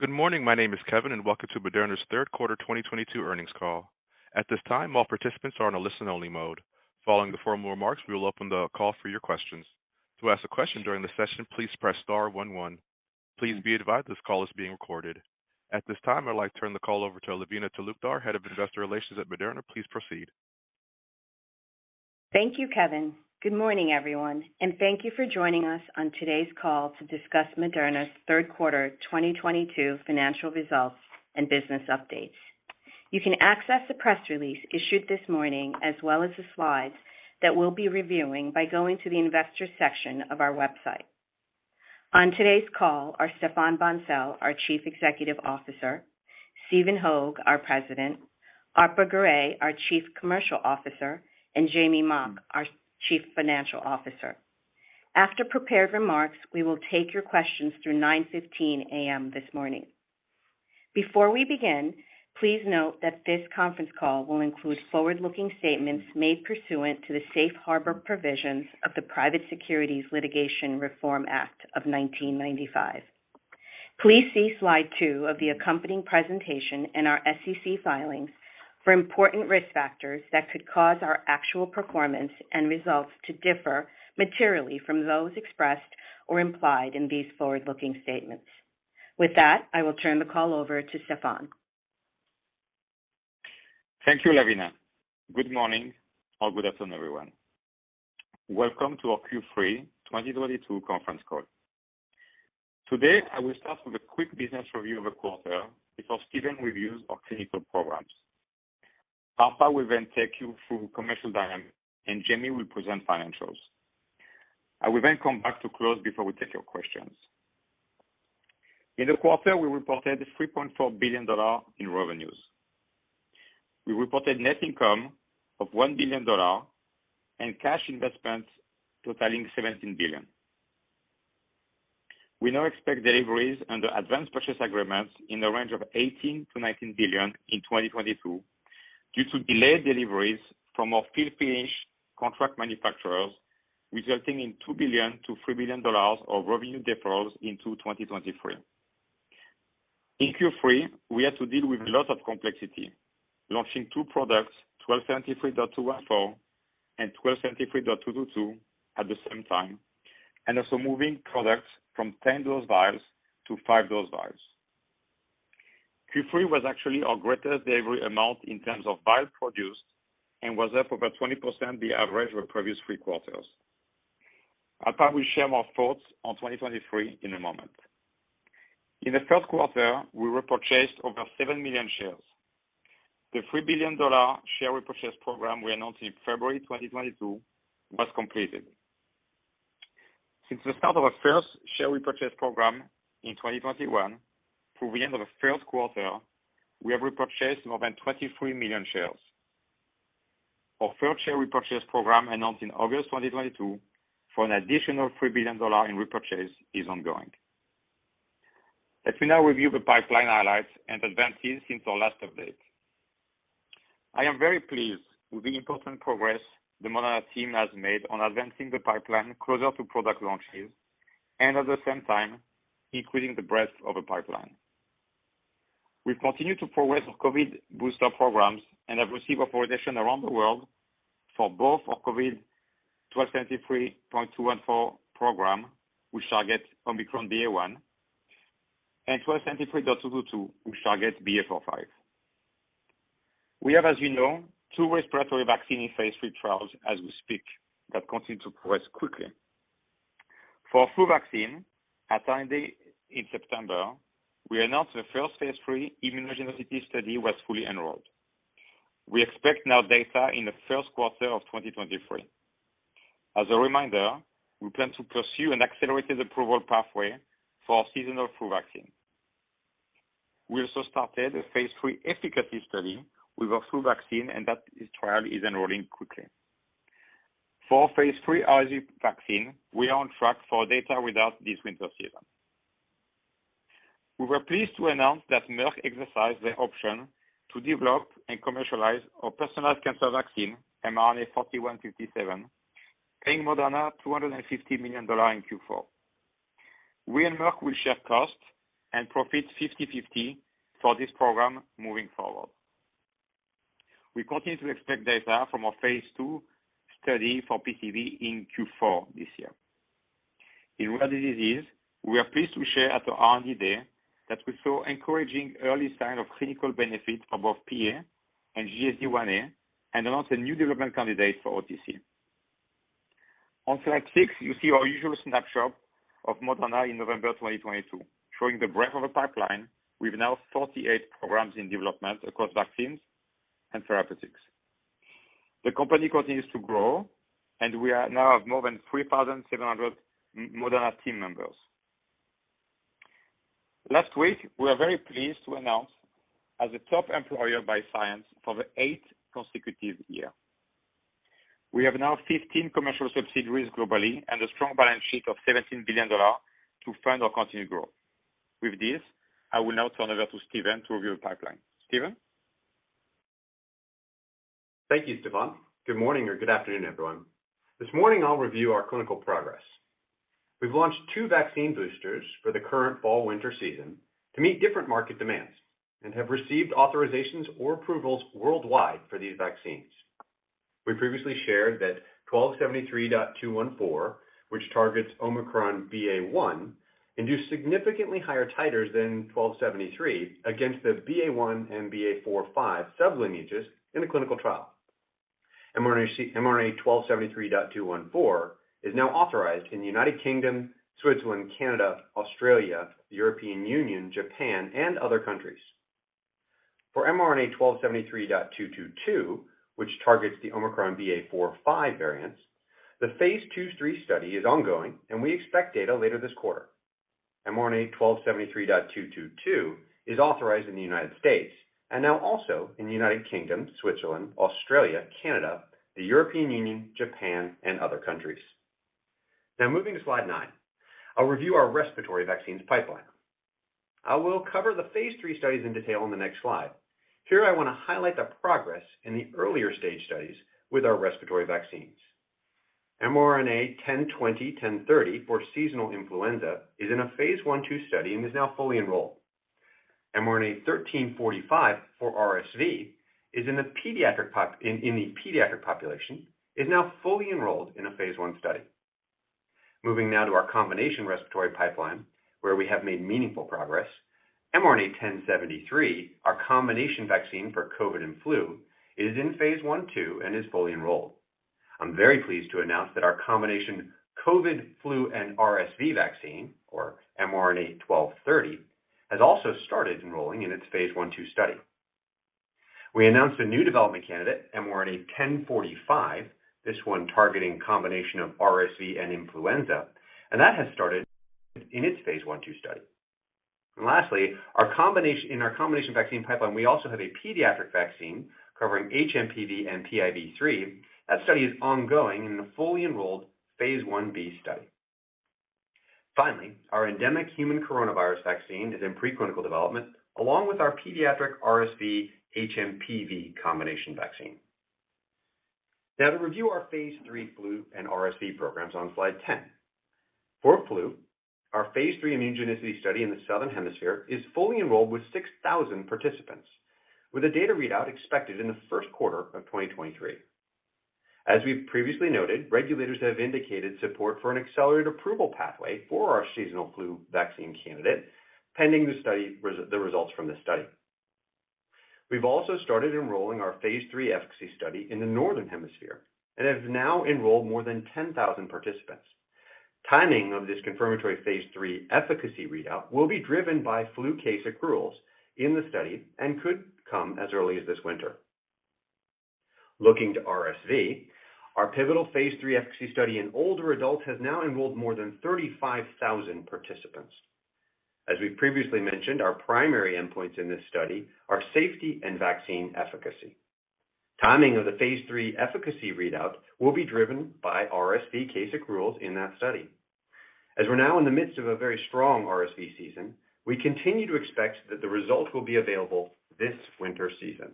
Good morning. My name is Kevin, and welcome to Moderna's third quarter 2022 earnings call. At this time, all participants are on a listen only mode. Following the formal remarks, we will open the call for your questions. To ask a question during the session, please press star one one. Please be advised this call is being recorded. At this time, I'd like to turn the call over to Lavina Talukdar, Head of Investor Relations at Moderna. Please proceed. Thank you, Kevin. Good morning, everyone, and thank you for joining us on today's call to discuss Moderna's third quarter 2022 financial results and business updates. You can access the press release issued this morning, as well as the slides that we'll be reviewing by going to the investor section of our website. On today's call are Stéphane Bancel, our Chief Executive Officer, Stephen Hoge, our President, Arpa Garay, our Chief Commercial Officer, and Jamey Mock, our Chief Financial Officer. After prepared remarks, we will take your questions through 9:15 A.M. this morning. Before we begin, please note that this conference call will include forward-looking statements made pursuant to the safe harbor provisions of the Private Securities Litigation Reform Act of 1995. Please see slide two of the accompanying presentation in our SEC filings for important risk factors that could cause our actual performance and results to differ materially from those expressed or implied in these forward-looking statements. With that, I will turn the call over to Stéphane. Thank you, Lavina. Good morning or good afternoon, everyone. Welcome to our Q3 2022 conference call. Today, I will start with a quick business review of the quarter before Stephen reviews our clinical programs. Arpa will then take you through commercial dynamics, and Jamey will present financials. I will then come back to close before we take your questions. In the quarter, we reported $3.4 billion in revenues. We reported net income of $1 billion and cash investments totaling $17 billion. We now expect deliveries under advanced purchase agreements in the range of $18 billion-$19 billion in 2022 due to delayed deliveries from our fill-finish contract manufacturers, resulting in $2 billion-$3 billion of revenue deferrals into 2023. In Q3, we had to deal with a lot of complexity, launching two products, 1273.214 and 1273.222 at the same time, and also moving products from 10-dose vials to 5-dose vials. Q3 was actually our greatest ever amount in terms of vials produced and was up over 20% the average of the previous three quarters. Arpa will share more thoughts on 2023 in a moment. In the first quarter, we repurchased over 7 million shares. The $3 billion share repurchase program we announced in February 2022 was completed. Since the start of our first share repurchase program in 2021 through the end of the first quarter, we have repurchased more than 23 million shares. Our third share repurchase program announced in August 2022 for an additional $3 billion in repurchase is ongoing. Let me now review the pipeline highlights and advances since our last update. I am very pleased with the important progress the Moderna team has made on advancing the pipeline closer to product launches and at the same time including the breadth of the pipeline. We've continued to progress our COVID booster programs and have received authorization around the world for both our COVID 1273.214 program, which targets Omicron BA.1, and 1273.222, which targets BA.4/5. We have, as you know, two respiratory vaccine in Phase III trials as we speak that continue to progress quickly. For flu vaccine, at R&D Day in September, we announced the first Phase III immunogenicity study was fully enrolled. We expect new data in the first quarter of 2023. As a reminder, we plan to pursue an accelerated approval pathway for our seasonal flu vaccine. We also started a Phase III efficacy study with our flu vaccine, and that trial is enrolling quickly. For Phase III RSV vaccine, we are on track for data within this winter season. We were pleased to announce that Merck exercised their option to develop and commercialize our personalized cancer vaccine, mRNA-4157, paying Moderna $250 million in Q4. We and Merck will share costs and profits 50/50 for this program moving forward. We continue to expect data from our Phase II study for PCV in Q4 this year. In rare disease, we are pleased to share at our R&D Day that we saw encouraging early sign of clinical benefits above PA and GSD1a and announced a new development candidate for OTC. On slide six, you see our usual snapshot of Moderna in November 2022, showing the breadth of the pipeline. We've now 48 programs in development across vaccines and therapeutics. The company continues to grow, and we now have more than 3,700 Moderna team members. Last week, we were very pleased to announce as a top employer by Science for the 8th consecutive year. We have now 15 commercial subsidiaries globally and a strong balance sheet of $17 billion to fund our continued growth. With this, I will now turn over to Stephen to review the pipeline. Stephen? Thank you, Stéphane. Good morning or good afternoon, everyone. This morning I'll review our clinical progress. We've launched two vaccine boosters for the current fall winter season to meet different market demands and have received authorizations or approvals worldwide for these vaccines. We previously shared that 1273.214, which targets Omicron BA.1, induced significantly higher titers than 1273 against the BA.1 and BA.4,5 sublineages in a clinical trial. mRNA-1273.214 is now authorized in the United Kingdom, Switzerland, Canada, Australia, the European Union, Japan, and other countries. For mRNA-1273.222, which targets the Omicron BA.4,5 variants, the Phase II/3 study is ongoing, and we expect data later this quarter. mRNA-1273.222 is authorized in the United States and now also in the United Kingdom, Switzerland, Australia, Canada, the European Union, Japan, and other countries. Now moving to slide 9, I'll review our respiratory vaccines pipeline. I will cover the Phase III studies in detail on the next slide. Here I want to highlight the progress in the earlier stage studies with our respiratory vaccines. mRNA-1020, mRNA-1030 for seasonal influenza is in a Phase I/2 study and is now fully enrolled. mRNA-1345 for RSV is in the pediatric population, is now fully enrolled in a Phase I study. Moving now to our combination respiratory pipeline, where we have made meaningful progress. mRNA-1073, our combination vaccine for COVID and flu, is in Phase I/2 and is fully enrolled. I'm very pleased to announce that our combination COVID, flu, and RSV vaccine, or mRNA-1230, has also started enrolling in its Phase I/2 study. We announced a new development candidate, mRNA-1045, this one targeting combination of RSV and influenza, and that has started in its Phase I/2 study. Lastly, in our combination vaccine pipeline, we also have a pediatric vaccine covering HMPV and PIV3. That study is ongoing in a fully enrolled Phase Ib study. Finally, our endemic human coronavirus vaccine is in preclinical development along with our pediatric RSV HMPV combination vaccine. Now to review our Phase III flu and RSV programs on slide 10. For flu, our Phase III immunogenicity study in the southern hemisphere is fully enrolled with 6,000 participants, with a data readout expected in the first quarter of 2023. As we've previously noted, regulators have indicated support for an accelerated approval pathway for our seasonal flu vaccine candidate, pending the results from this study. We've also started enrolling our Phase III efficacy study in the northern hemisphere, and have now enrolled more than 10,000 participants. Timing of this confirmatory Phase III efficacy readout will be driven by flu case accruals in the study and could come as early as this winter. Looking to RSV, our pivotal Phase III efficacy study in older adults has now enrolled more than 35,000 participants. As we've previously mentioned, our primary endpoints in this study are safety and vaccine efficacy. Timing of the Phase III efficacy readout will be driven by RSV case accruals in that study. As we're now in the midst of a very strong RSV season, we continue to expect that the results will be available this winter season.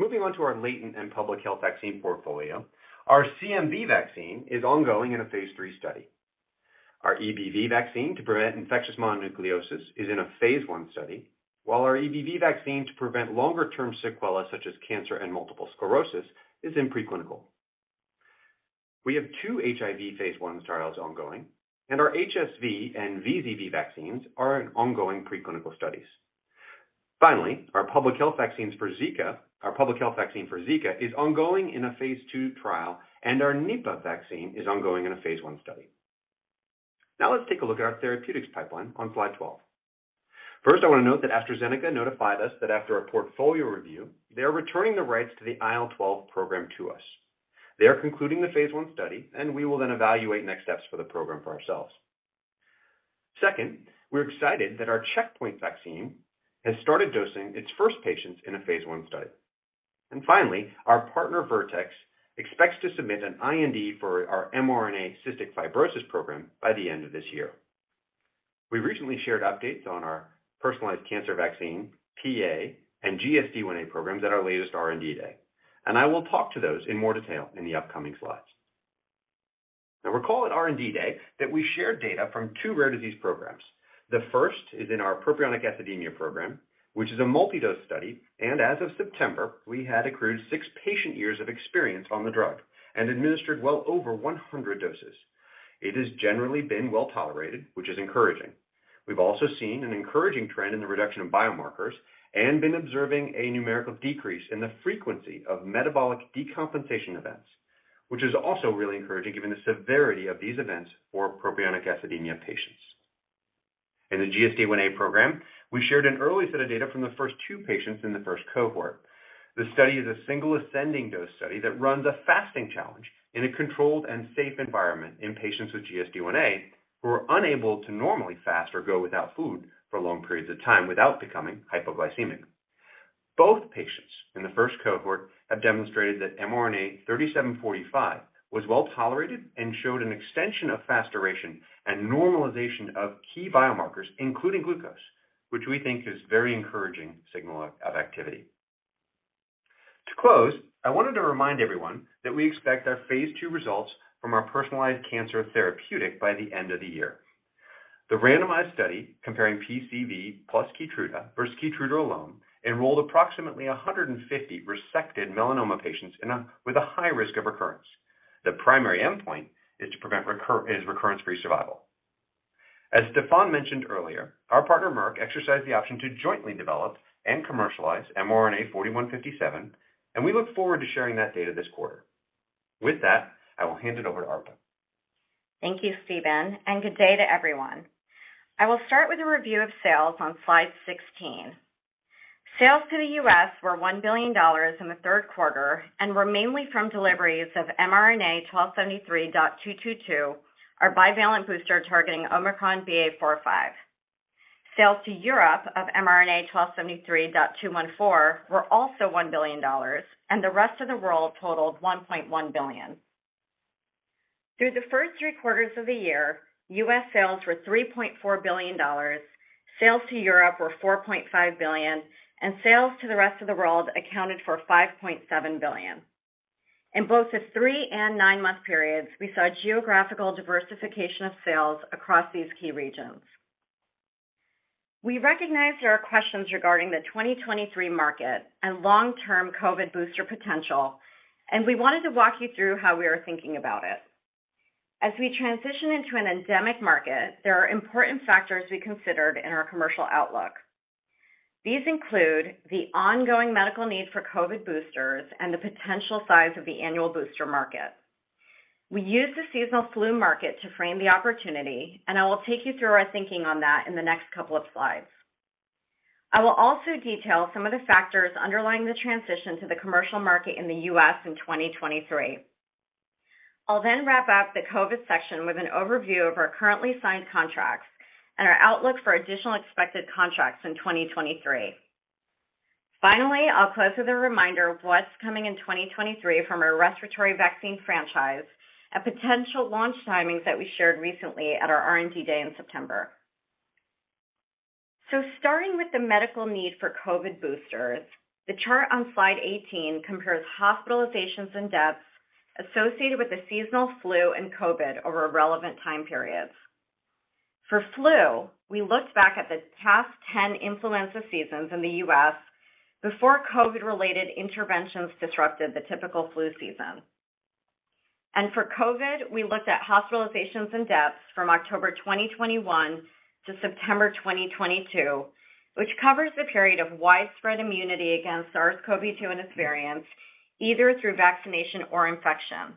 Moving on to our latent and public health vaccine portfolio. Our CMV vaccine is ongoing in a phase three study. Our EBV vaccine to prevent infectious mononucleosis is in a phase one study, while our EBV vaccine to prevent longer-term sequelae such as cancer and multiple sclerosis is in preclinical. We have two HIV phase one trials ongoing, and our HSV and VZV vaccines are in ongoing preclinical studies. Finally, our public health vaccine for Zika is ongoing in a phase two trial, and our Nipah vaccine is ongoing in a phase one study. Now let's take a look at our therapeutics pipeline on slide 12. First, I want to note that AstraZeneca notified us that after a portfolio review, they are returning the rights to the IL-12 program to us. They are concluding the Phase I study, and we will then evaluate next steps for the program for ourselves. Second, we're excited that our checkpoint vaccine has started dosing its first patients in a Phase I study. Finally, our partner Vertex expects to submit an IND for our mRNA cystic fibrosis program by the end of this year. We recently shared updates on our personalized cancer vaccine, PA and GSD1a programs at our latest R&D day, and I will talk to those in more detail in the upcoming slides. Now recall at R&D day that we shared data from two rare disease programs. The first is in our propionic acidemia program, which is a multi-dose study, and as of September, we had accrued six patient years of experience on the drug and administered well over 100 doses. It has generally been well-tolerated, which is encouraging. We've also seen an encouraging trend in the reduction of biomarkers and been observing a numerical decrease in the frequency of metabolic decompensation events, which is also really encouraging given the severity of these events for propionic acidemia patients. In the GSD1a program, we shared an early set of data from the first two patients in the first cohort. The study is a single ascending dose study that runs a fasting challenge in a controlled and safe environment in patients with GSD1a, who are unable to normally fast or go without food for long periods of time without becoming hypoglycemic. Both patients in the first cohort have demonstrated that mRNA-3745 was well-tolerated and showed an extension of fasting duration and normalization of key biomarkers, including glucose, which we think is very encouraging signal of activity. To close, I wanted to remind everyone that we expect our Phase II results from our personalized cancer therapeutic by the end of the year. The randomized study comparing PCV plus KEYTRUDA versus KEYTRUDA alone enrolled approximately 150 resected melanoma patients with a high risk of recurrence. The primary endpoint is recurrence-free survival. As Stéphane Bancel mentioned earlier, our partner, Merck, exercised the option to jointly develop and commercialize mRNA-4157, and we look forward to sharing that data this quarter. With that, I will hand it over to Arpa. Thank you, Stephen, and good day to everyone. I will start with a review of sales on slide 16. Sales to the U.S. were $1 billion in the third quarter and were mainly from deliveries of mRNA-1273.222, our bivalent booster targeting Omicron BA.4/5. Sales to Europe of mRNA-1273.214 were also $1 billion and the rest of the world totaled $1.1 billion. Through the first three quarters of the year, U.S. sales were $3.4 billion, sales to Europe were $4.5 billion, and sales to the rest of the world accounted for $5.7 billion. In both the three and nine-month periods, we saw geographical diversification of sales across these key regions. We recognize there are questions regarding the 2023 market and long-term COVID booster potential, and we wanted to walk you through how we are thinking about it. As we transition into an endemic market, there are important factors we considered in our commercial outlook. These include the ongoing medical need for COVID boosters and the potential size of the annual booster market. We use the seasonal flu market to frame the opportunity, and I will take you through our thinking on that in the next couple of slides. I will also detail some of the factors underlying the transition to the commercial market in the U.S. in 2023. I'll then wrap up the COVID section with an overview of our currently signed contracts and our outlook for additional expected contracts in 2023. Finally, I'll close with a reminder of what's coming in 2023 from our respiratory vaccine franchise and potential launch timings that we shared recently at our R&D Day in September. Starting with the medical need for COVID boosters, the chart on slide 18 compares hospitalizations and deaths associated with the seasonal flu and COVID over relevant time periods. For flu, we looked back at the past 10 influenza seasons in the U.S. before COVID-related interventions disrupted the typical flu season. For COVID, we looked at hospitalizations and deaths from October 2021 to September 2022, which covers the period of widespread immunity against SARS-CoV-2 and its variants, either through vaccination or infection.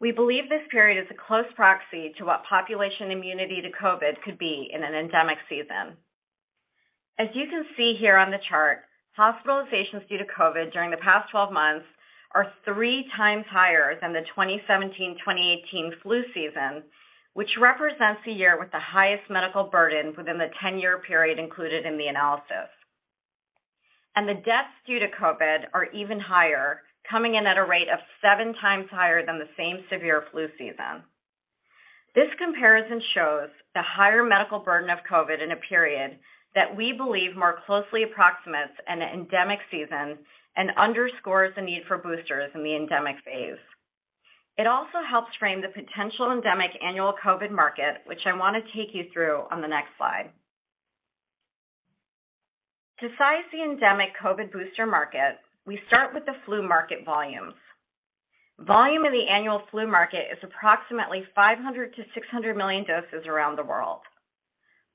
We believe this period is a close proxy to what population immunity to COVID could be in an endemic season. As you can see here on the chart, hospitalizations due to COVID during the past 12 months are 3x higher than the 2017-2018 flu season, which represents the year with the highest medical burden within the 10-year period included in the analysis. The deaths due to COVID are even higher, coming in at a rate of seven times higher than the same severe flu season. This comparison shows the higher medical burden of COVID in a period that we believe more closely approximates an endemic season and underscores the need for boosters in the endemic phase. It also helps frame the potential endemic annual COVID market, which I want to take you through on the next slide. To size the endemic COVID booster market, we start with the flu market volumes. Volume in the annual flu market is approximately 500-600 million doses around the world.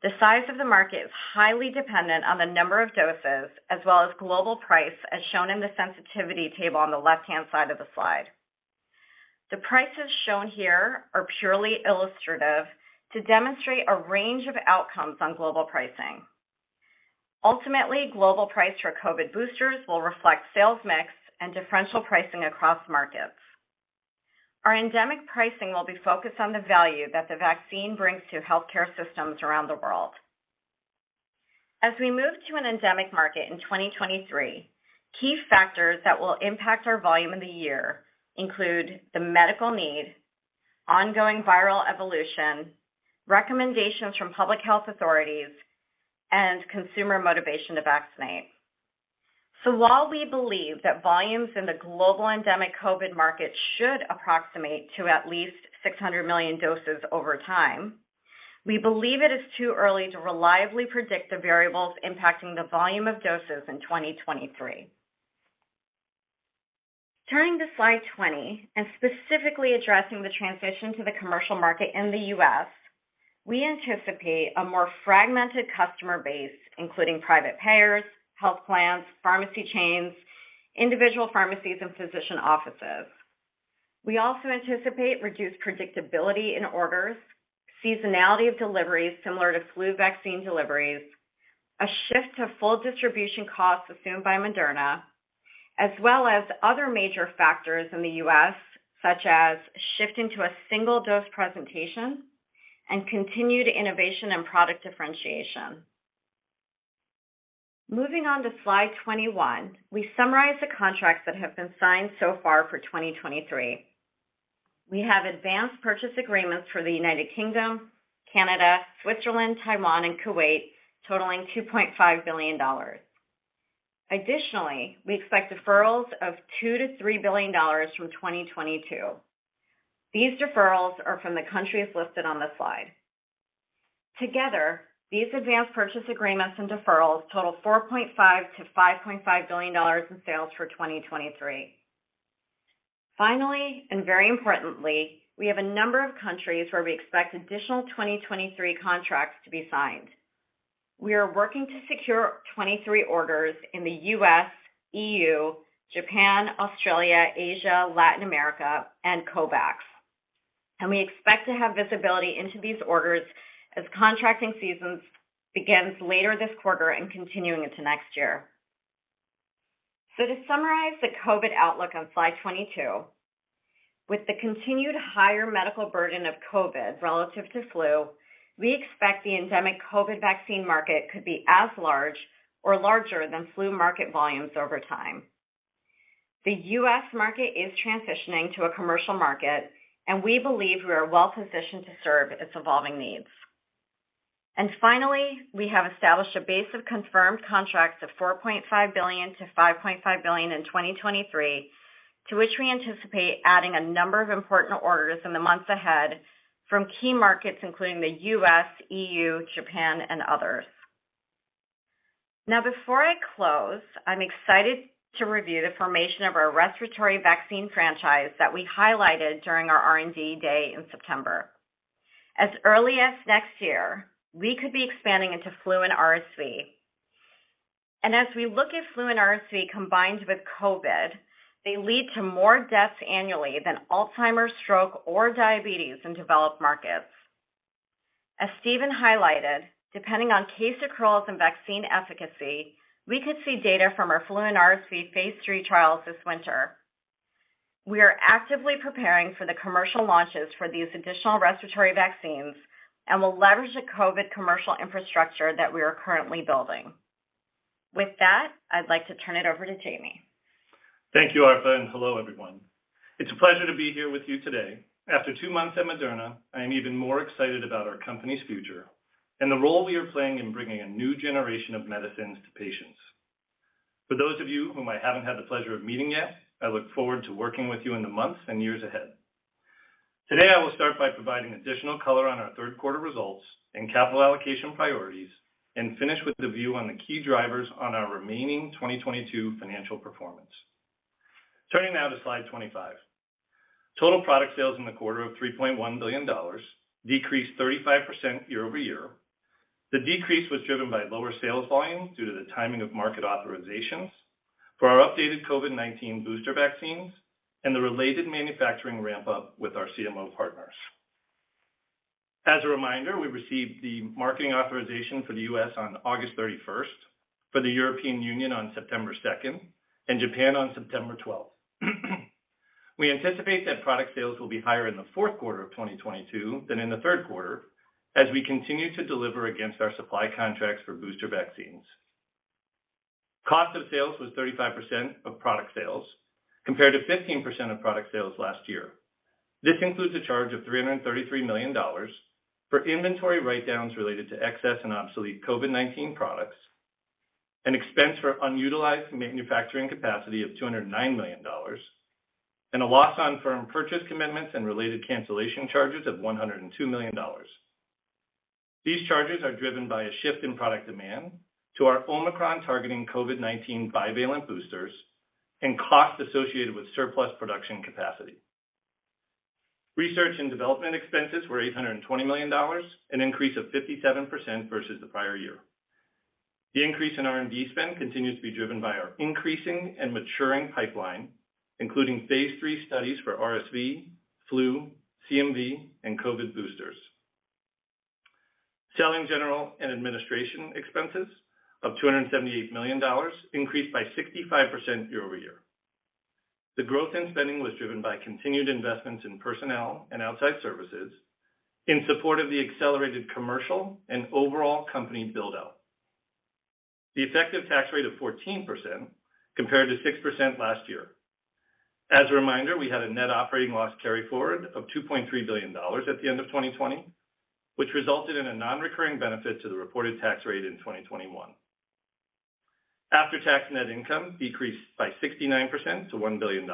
The size of the market is highly dependent on the number of doses as well as global price, as shown in the sensitivity table on the left-hand side of the slide. The prices shown here are purely illustrative to demonstrate a range of outcomes on global pricing. Ultimately, global price for COVID boosters will reflect sales mix and differential pricing across markets. Our endemic pricing will be focused on the value that the vaccine brings to healthcare systems around the world. As we move to an endemic market in 2023, key factors that will impact our volume in the year include the medical need, ongoing viral evolution, recommendations from public health authorities, and consumer motivation to vaccinate. While we believe that volumes in the global endemic COVID market should approximate to at least 600 million doses over time, we believe it is too early to reliably predict the variables impacting the volume of doses in 2023. Turning to slide 20 and specifically addressing the transition to the commercial market in the U.S., we anticipate a more fragmented customer base, including private payers, health plans, pharmacy chains, individual pharmacies, and physician offices. We also anticipate reduced predictability in orders, seasonality of deliveries similar to flu vaccine deliveries, a shift to full distribution costs assumed by Moderna, as well as other major factors in the U.S., such as shifting to a single-dose presentation and continued innovation and product differentiation. Moving on to slide 21, we summarize the contracts that have been signed so far for 2023. We have advanced purchase agreements for the United Kingdom, Canada, Switzerland, Taiwan, and Kuwait, totaling $2.5 billion. Additionally, we expect deferrals of $2 billion-$3 billion from 2022. These deferrals are from the countries listed on the slide. Together, these advanced purchase agreements and deferrals total $4.5 billion-$5.5 billion in sales for 2023. Finally, and very importantly, we have a number of countries where we expect additional 2023 contracts to be signed. We are working to secure 2023 orders in the U.S., EU, Japan, Australia, Asia, Latin America, and COVAX. We expect to have visibility into these orders as contracting seasons begins later this quarter and continuing into next year. To summarize the COVID outlook on slide 22, with the continued higher medical burden of COVID relative to flu, we expect the endemic COVID vaccine market could be as large or larger than flu market volumes over time. The U.S. market is transitioning to a commercial market, and we believe we are well-positioned to serve its evolving needs. Finally, we have established a base of confirmed contracts of $4.5 billion-$5.5 billion in 2023, to which we anticipate adding a number of important orders in the months ahead from key markets, including the U.S., EU, Japan, and others. Now before I close, I'm excited to review the formation of our respiratory vaccine franchise that we highlighted during our R&D day in September. As early as next year, we could be expanding into flu and RSV. As we look at flu and RSV combined with COVID, they lead to more deaths annually than Alzheimer's, stroke or diabetes in developed markets. As Stephen highlighted, depending on case accruals and vaccine efficacy, we could see data from our flu and RSV phase three trials this winter. We are actively preparing for the commercial launches for these additional respiratory vaccines and will leverage the COVID commercial infrastructure that we are currently building. With that, I'd like to turn it over to Jamey. Thank you, Arpa, and hello, everyone. It's a pleasure to be here with you today. After two months at Moderna, I am even more excited about our company's future and the role we are playing in bringing a new generation of medicines to patients. For those of you whom I haven't had the pleasure of meeting yet, I look forward to working with you in the months and years ahead. Today, I will start by providing additional color on our third quarter results and capital allocation priorities, and finish with the view on the key drivers on our remaining 2022 financial performance. Turning now to slide 25. Total product sales in the quarter of $3.1 billion decreased 35% year-over-year. The decrease was driven by lower sales volume due to the timing of market authorizations for our updated COVID-19 booster vaccines and the related manufacturing ramp-up with our CMO partners. As a reminder, we received the marketing authorization for the U.S. on August 31st, for the European Union on September 2nd, and Japan on September 12th. We anticipate that product sales will be higher in the fourth quarter of 2022 than in the third quarter as we continue to deliver against our supply contracts for booster vaccines. Cost of sales was 35% of product sales, compared to 15% of product sales last year. This includes a charge of $333 million for inventory write-downs related to excess and obsolete COVID-19 products, an expense for unutilized manufacturing capacity of $209 million, and a loss on firm purchase commitments and related cancellation charges of $102 million. These charges are driven by a shift in product demand to our Omicron-targeting COVID-19 bivalent boosters and costs associated with surplus production capacity. Research and development expenses were $820 million, an increase of 57% versus the prior year. The increase in R&D spend continues to be driven by our increasing and maturing pipeline, including Phase III studies for RSV, flu, CMV, and COVID boosters. Selling, general, and administration expenses of $278 million increased by 65% year-over-year. The growth in spending was driven by continued investments in personnel and outside services in support of the accelerated commercial and overall company build-out. The effective tax rate of 14% compared to 6% last year. As a reminder, we had a net operating loss carryforward of $2.3 billion at the end of 2020, which resulted in a non-recurring benefit to the reported tax rate in 2021. After-tax net income decreased by 69% to $1 billion.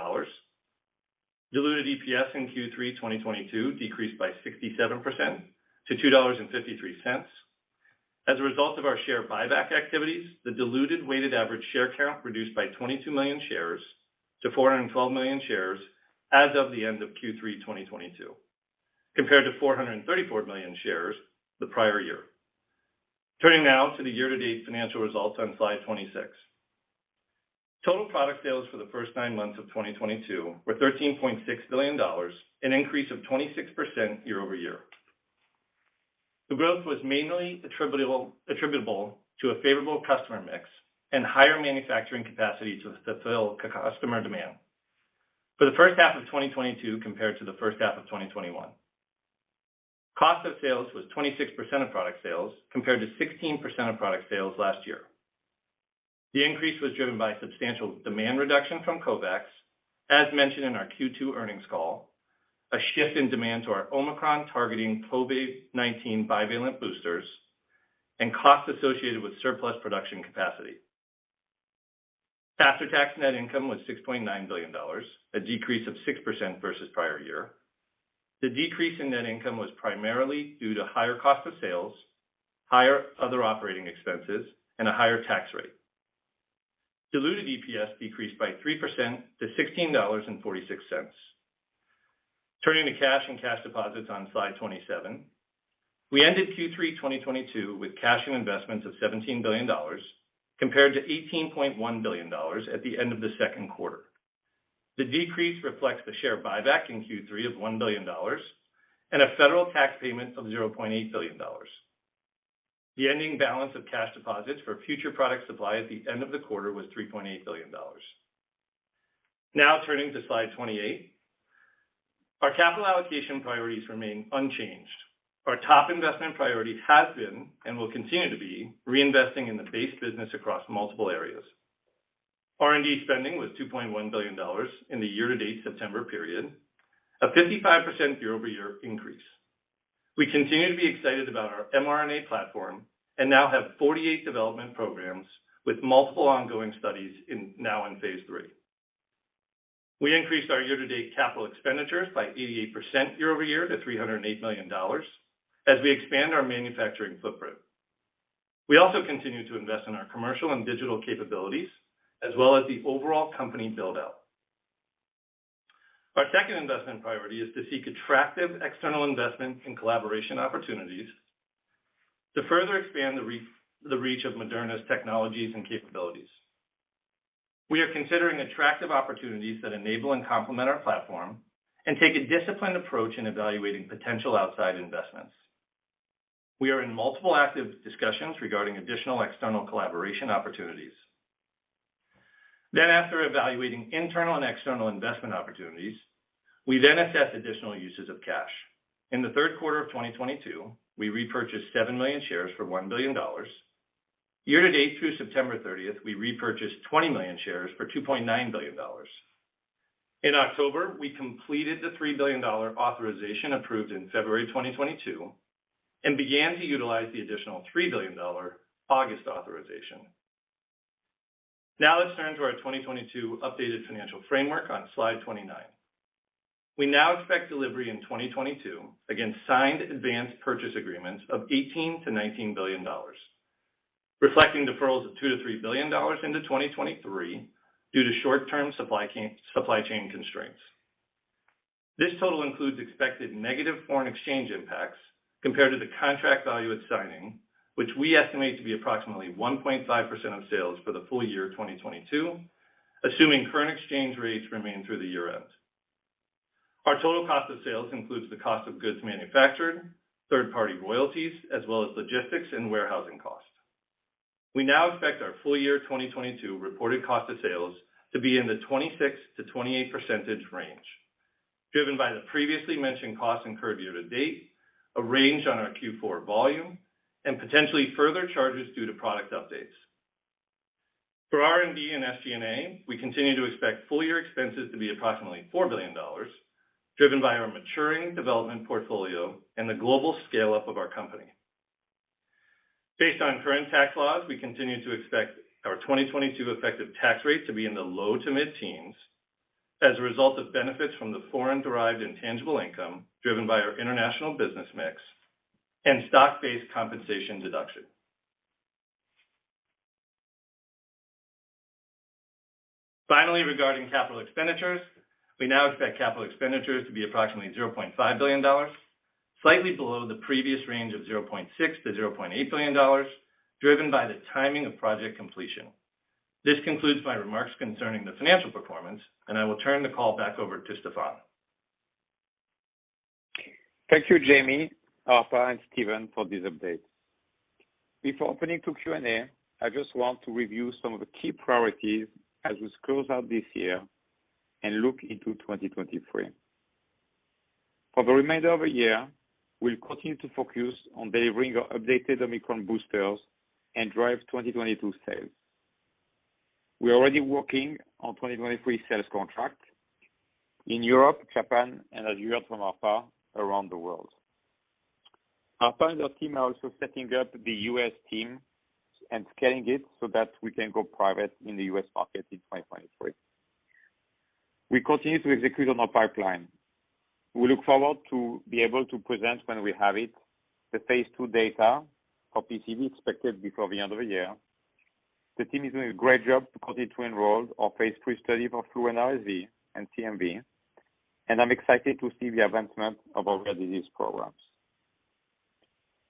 Diluted EPS in Q3 2022 decreased by 67% to $2.53. As a result of our share buyback activities, the diluted weighted average share count reduced by 22 million shares to 412 million shares as of the end of Q3 2022, compared to 434 million shares the prior year. Turning now to the year-to-date financial results on slide 26. Total product sales for the first nine months of 2022 were $13.6 billion, an increase of 26% year-over-year. The growth was mainly attributable to a favorable customer mix and higher manufacturing capacity to fill customer demand for the first half of 2022 compared to the first half of 2021. Cost of sales was 26% of product sales, compared to 16% of product sales last year. The increase was driven by substantial demand reduction from COVAX, as mentioned in our Q2 earnings call, a shift in demand to our Omicron targeting COVID-19 bivalent boosters, and costs associated with surplus production capacity. After-tax net income was $6.9 billion, a decrease of 6% versus prior year. The decrease in net income was primarily due to higher cost of sales, higher other operating expenses, and a higher tax rate. Diluted EPS decreased by 3% to $16.46. Turning to cash and cash deposits on slide 27. We ended Q3 2022 with cash and investments of $17 billion, compared to $18.1 billion at the end of the second quarter. The decrease reflects the share buyback in Q3 of $1 billion and a federal tax payment of $0.8 billion. The ending balance of cash deposits for future product supply at the end of the quarter was $3.8 billion. Now turning to slide 28. Our capital allocation priorities remain unchanged. Our top investment priority has been, and will continue to be, reinvesting in the base business across multiple areas. R&D spending was $2.1 billion in the year-to-date September period, a 55% year-over-year increase. We continue to be excited about our mRNA platform and now have 48 development programs with multiple ongoing studies in, now in Phase III. We increased our year-to-date capital expenditures by 88% year-over-year to $308 million as we expand our manufacturing footprint. We also continue to invest in our commercial and digital capabilities, as well as the overall company build-out. Our second investment priority is to seek attractive external investment and collaboration opportunities to further expand the reach of Moderna's technologies and capabilities. We are considering attractive opportunities that enable and complement our platform and take a disciplined approach in evaluating potential outside investments. We are in multiple active discussions regarding additional external collaboration opportunities. After evaluating internal and external investment opportunities, we then assess additional uses of cash. In the third quarter of 2022, we repurchased 7 million shares for $1 billion. Year-to-date through September 30th, we repurchased 20 million shares for $2.9 billion. In October, we completed the $3 billion authorization approved in February 2022 and began to utilize the additional $3 billion August authorization. Now let's turn to our 2022 updated financial framework on slide 29. We now expect delivery in 2022 against signed advanced purchase agreements of $18 billion-$19 billion, reflecting deferrals of $2 billion-$3 billion into 2023 due to short-term supply chain constraints. This total includes expected negative foreign exchange impacts compared to the contract value at signing, which we estimate to be approximately 1.5% of sales for the full year 2022, assuming current exchange rates remain through the year-end. Our total cost of sales includes the cost of goods manufactured, third-party royalties, as well as logistics and warehousing costs. We now expect our full year 2022 reported cost of sales to be in the 26%-28% range, driven by the previously mentioned costs incurred year-to-date, a ramp on our Q4 volume, and potentially further charges due to product updates. For R&D and SG&A, we continue to expect full year expenses to be approximately $4 billion, driven by our maturing development portfolio and the global scale-up of our company. Based on current tax laws, we continue to expect our 2022 effective tax rate to be in the low to mid-teens as a result of benefits from the foreign-derived intangible income driven by our international business mix and stock-based compensation deduction. Finally, regarding capital expenditures, we now expect capital expenditures to be approximately $0.5 billion, slightly below the previous range of $0.6 billion-$0.8 billion, driven by the timing of project completion. This concludes my remarks concerning the financial performance, and I will turn the call back over to Stéphane. Thank you, Jamey, Arpa, and Stephen for this update. Before opening to Q&A, I just want to review some of the key priorities as we close out this year and look into 2023. For the remainder of the year, we'll continue to focus on delivering our updated Omicron boosters and drive 2022 sales. We are already working on 2023 sales contracts in Europe, Japan, and as you heard from Arpa, around the world. Arpa and the team are also setting up the U.S. team and scaling it so that we can go private in the U.S. market in 2023. We continue to execute on our pipeline. We look forward to be able to present when we have it, the Phase II data for PCV expected before the end of the year. The team is doing a great job to continue to enroll our phase three study for flu and RSV and CMV, and I'm excited to see the advancement of our rare disease programs.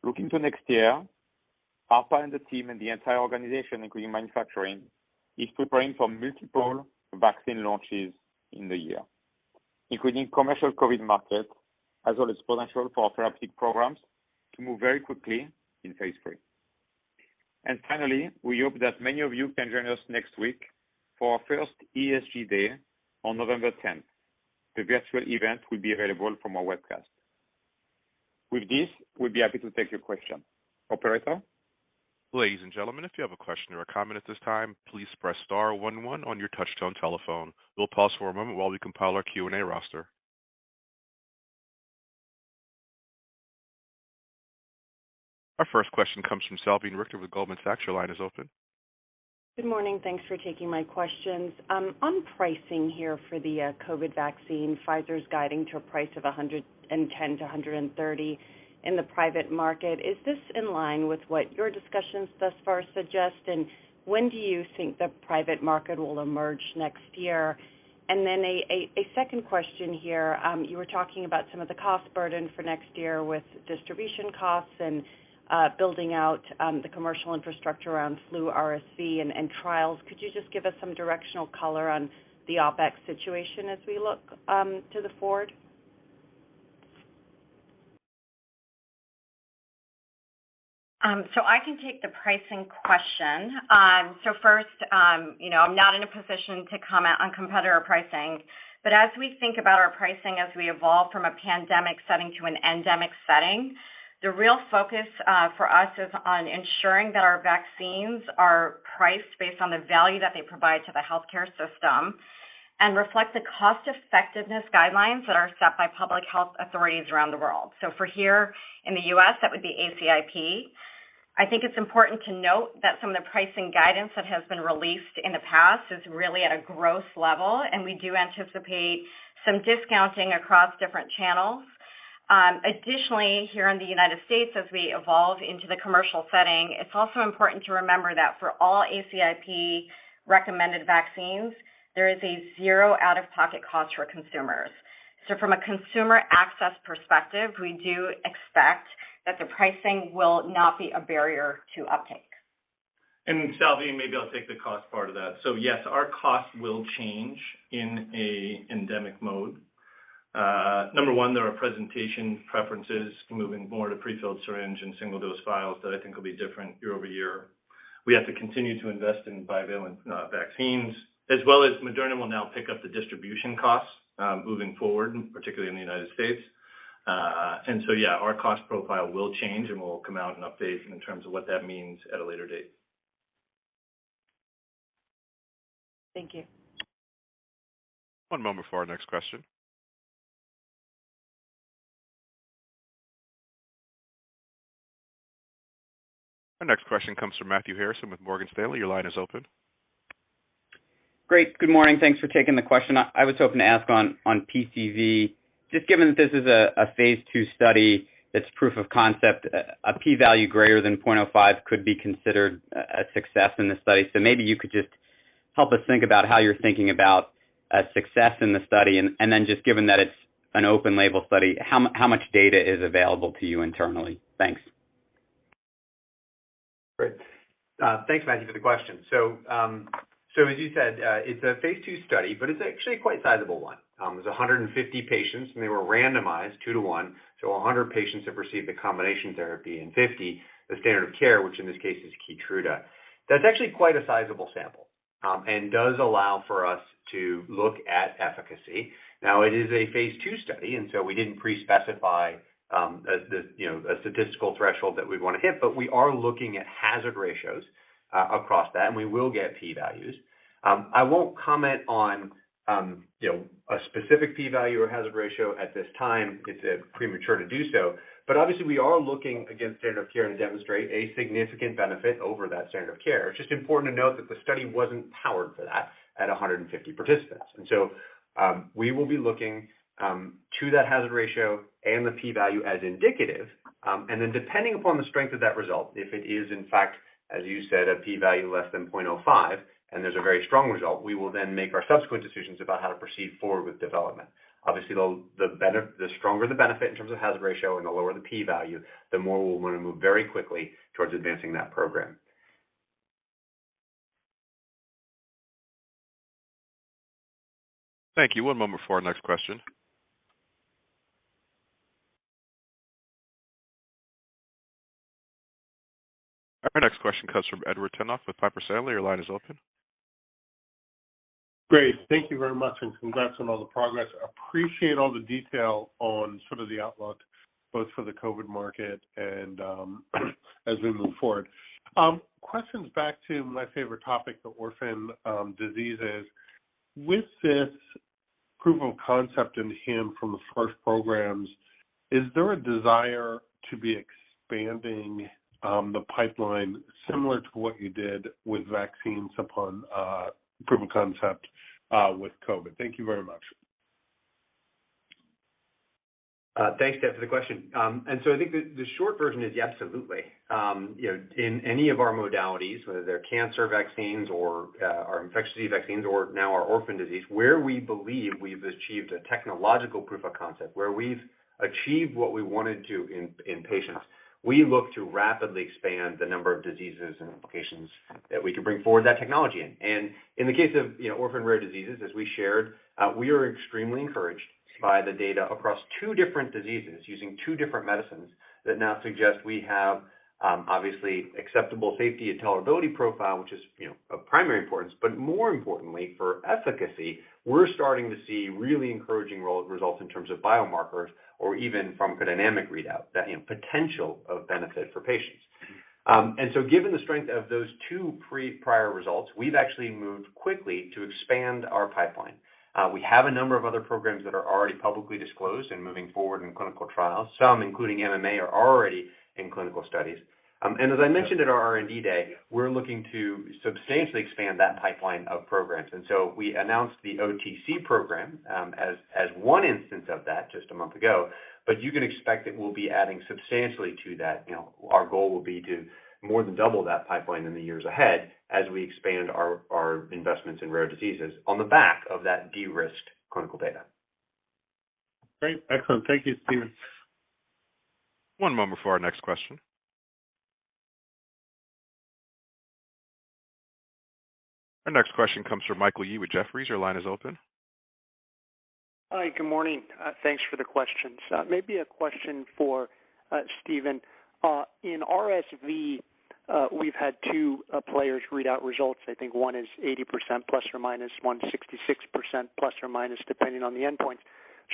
Looking to next year, Arpa and the team and the entire organization, including manufacturing, is preparing for multiple vaccine launches in the year, including commercial COVID market, as well as potential for our therapeutic programs to move very quickly in phase three. Finally, we hope that many of you can join us next week for our first ESG day on November tenth. The virtual event will be available from our webcast. With this, we'd be happy to take your question. Operator? Ladies and gentlemen, if you have a question or a comment at this time, please press star one one on your touchtone telephone. We'll pause for a moment while we compile our Q&A roster. Our first question comes from Salveen Richter with Goldman Sachs. Your line is open. Good morning. Thanks for taking my questions. On pricing here for the COVID vaccine, Pfizer's guiding to a price of $110-$130 in the private market. Is this in line with what your discussions thus far suggest, and when do you think the private market will emerge next year? Then a second question here. You were talking about some of the cost burden for next year with distribution costs and building out the commercial infrastructure around flu RSV and trials. Could you just give us some directional color on the OpEx situation as we look to the forward? I can take the pricing question. You know, I'm not in a position to comment on competitor pricing. As we think about our pricing as we evolve from a pandemic setting to an endemic setting, the real focus for us is on ensuring that our vaccines are priced based on the value that they provide to the healthcare system and reflect the cost-effectiveness guidelines that are set by public health authorities around the world. For here in the U.S., that would be ACIP. I think it's important to note that some of the pricing guidance that has been released in the past is really at a gross level, and we do anticipate some discounting across different channels. Additionally, here in the United States, as we evolve into the commercial setting, it's also important to remember that for all ACIP-recommended vaccines, there is a zero out-of-pocket cost for consumers. From a consumer access perspective, we do expect that the pricing will not be a barrier to uptake. Salveen, maybe I'll take the cost part of that. Yes, our cost will change in a endemic mode. Number one, there are presentation preferences moving more to prefilled syringe and single-dose vials that I think will be different year over year. We have to continue to invest in bivalent vaccines, as well as Moderna will now pick up the distribution costs moving forward, particularly in the United States. Yeah, our cost profile will change, and we'll come out and update in terms of what that means at a later date. Thank you. One moment for our next question. Our next question comes from Matthew Harrison with Morgan Stanley. Your line is open. Great. Good morning. Thanks for taking the question. I was hoping to ask on PCV, just given that this is a Phase II study, that's proof of concept, a P value greater than 0.05 could be considered a success in this study. So maybe you could just help us think about how you're thinking about a success in the study and then just given that it's an open label study, how much data is available to you internally? Thanks. Great. Thanks, Matthew, for the question. As you said, it's a Phase II study, but it's actually quite a sizable one. It's 150 patients, and they were randomized 2:1. 100 patients have received the combination therapy and 50 the standard of care, which in this case is Keytruda. That's actually quite a sizable sample, and does allow for us to look at efficacy. Now, it is a Phase II study, and so we didn't pre-specify you know a statistical threshold that we'd wanna hit. We are looking at hazard ratios across that, and we will get P values. I won't comment on you know a specific P value or hazard ratio at this time. It's premature to do so. Obviously, we are looking against standard of care to demonstrate a significant benefit over that standard of care. It's just important to note that the study wasn't powered for that at 150 participants. We will be looking to that hazard ratio and the P value as indicative. Depending upon the strength of that result, if it is, in fact, as you said, a P value less than 0.05 and there's a very strong result, we will then make our subsequent decisions about how to proceed forward with development. Obviously, the stronger the benefit in terms of hazard ratio and the lower the P-value, the more we'll wanna move very quickly towards advancing that program. Thank you. One moment for our next question. Our next question comes from Edward Tenthoff with Piper Sandler. Your line is open. Great. Thank you very much and congrats on all the progress. Appreciate all the detail on sort of the outlook both for the COVID market and, as we move forward. Question's back to my favorite topic, the orphan diseases. With this proof of concept in hand from the first programs, is there a desire to be expanding the pipeline similar to what you did with vaccines upon proof of concept with COVID? Thank you very much. Thanks, Ed, for the question. I think the short version is absolutely. You know, in any of our modalities, whether they're cancer vaccines or our infectious disease vaccines or now our orphan disease, where we believe we've achieved a technological proof of concept, where we've achieved what we wanted to in patients, we look to rapidly expand the number of diseases and indications that we can bring forward that technology in. In the case of, you know, orphan rare diseases, as we shared, we are extremely encouraged by the data across two different diseases using two different medicines that now suggest we have, obviously acceptable safety and tolerability profile, which is, you know, of primary importance, but more importantly for efficacy, we're starting to see really encouraging results in terms of biomarkers or even pharmacodynamic readout that, you know, potential of benefit for patients. Given the strength of those two prior results, we've actually moved quickly to expand our pipeline. We have a number of other programs that are already publicly disclosed and moving forward in clinical trials. Some, including MMA, are already in clinical studies. As I mentioned at our R&D day, we're looking to substantially expand that pipeline of programs. We announced the OTC program, as one instance of that just a month ago. You can expect that we'll be adding substantially to that. You know, our goal will be to more than double that pipeline in the years ahead as we expand our investments in rare diseases on the back of that de-risked clinical data. Great. Excellent. Thank you, Stephen. One moment for our next question. Our next question comes from Michael Yee with Jefferies. Your line is open. Hi. Good morning. Thanks for the questions. Maybe a question for Stephen. In RSV, we've had two players read out results. I think one is 80%±; one, 66%±, depending on the endpoint.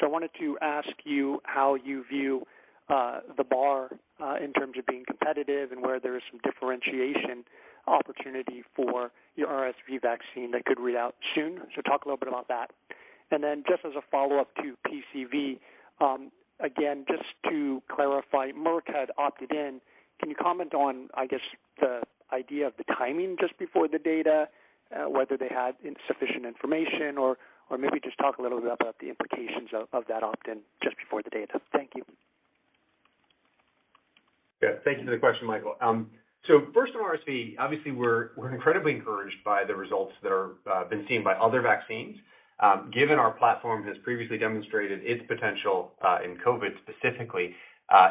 I wanted to ask you how you view the bar in terms of being competitive and where there is some differentiation opportunity for your RSV vaccine that could read out soon. Talk a little bit about that. Just as a follow-up to PCV, again, just to clarify, Merck had opted in. Can you comment on, I guess, the idea of the timing just before the data, whether they had insufficient information or maybe just talk a little bit about the implications of that opt-in just before the data? Thank you. Yeah. Thank you for the question, Michael. So first on RSV, obviously, we're incredibly encouraged by the results that have been seen by other vaccines. Given our platform has previously demonstrated its potential in COVID, specifically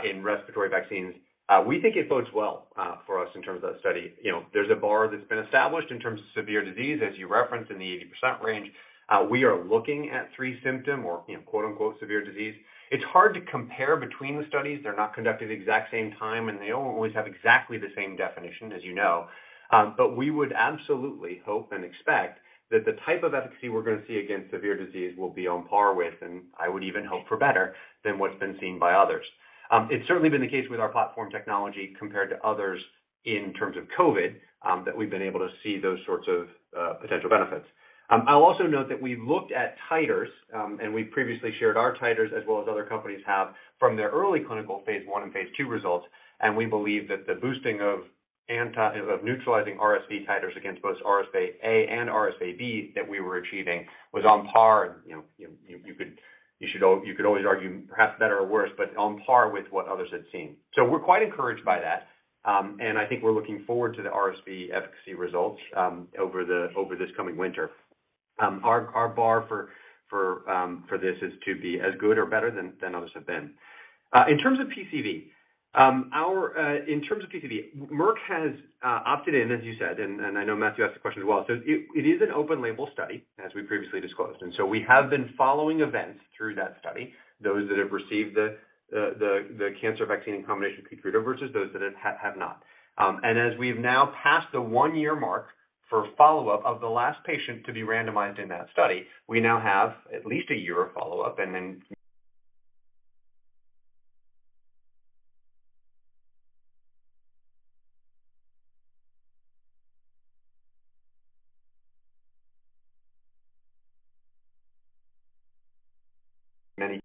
in respiratory vaccines, we think it bodes well for us in terms of that study. You know, there's a bar that's been established in terms of severe disease, as you referenced, in the 80% range. We are looking at three symptom or, you know, quote-unquote, severe disease. It's hard to compare between the studies. They're not conducted the exact same time, and they don't always have exactly the same definition as you know. We would absolutely hope and expect that the type of efficacy we're gonna see against severe disease will be on par with, and I would even hope for better, than what's been seen by others. It's certainly been the case with our platform technology compared to others in terms of COVID, that we've been able to see those sorts of potential benefits. I'll also note that we've looked at titers, and we previously shared our titers as well as other companies have from their early clinical phase one and phase two results, and we believe that the boosting of neutralizing RSV titers against both RSV-A and RSV-B that we were achieving was on par. You know, you could always argue perhaps better or worse, but on par with what others had seen. We're quite encouraged by that, and I think we're looking forward to the RSV efficacy results over this coming winter. Our bar for this is to be as good or better than others have been. In terms of PCV, Merck has opted in, as you said, and I know Matthew asked the question as well. It is an open label study as we previously disclosed, and we have been following events through that study, those that have received the cancer vaccine in combination with KEYTRUDA versus those that have not. As we've now passed the one-year mark for follow-up of the last patient to be randomized in that study, we now have at least a year of follow-up and in many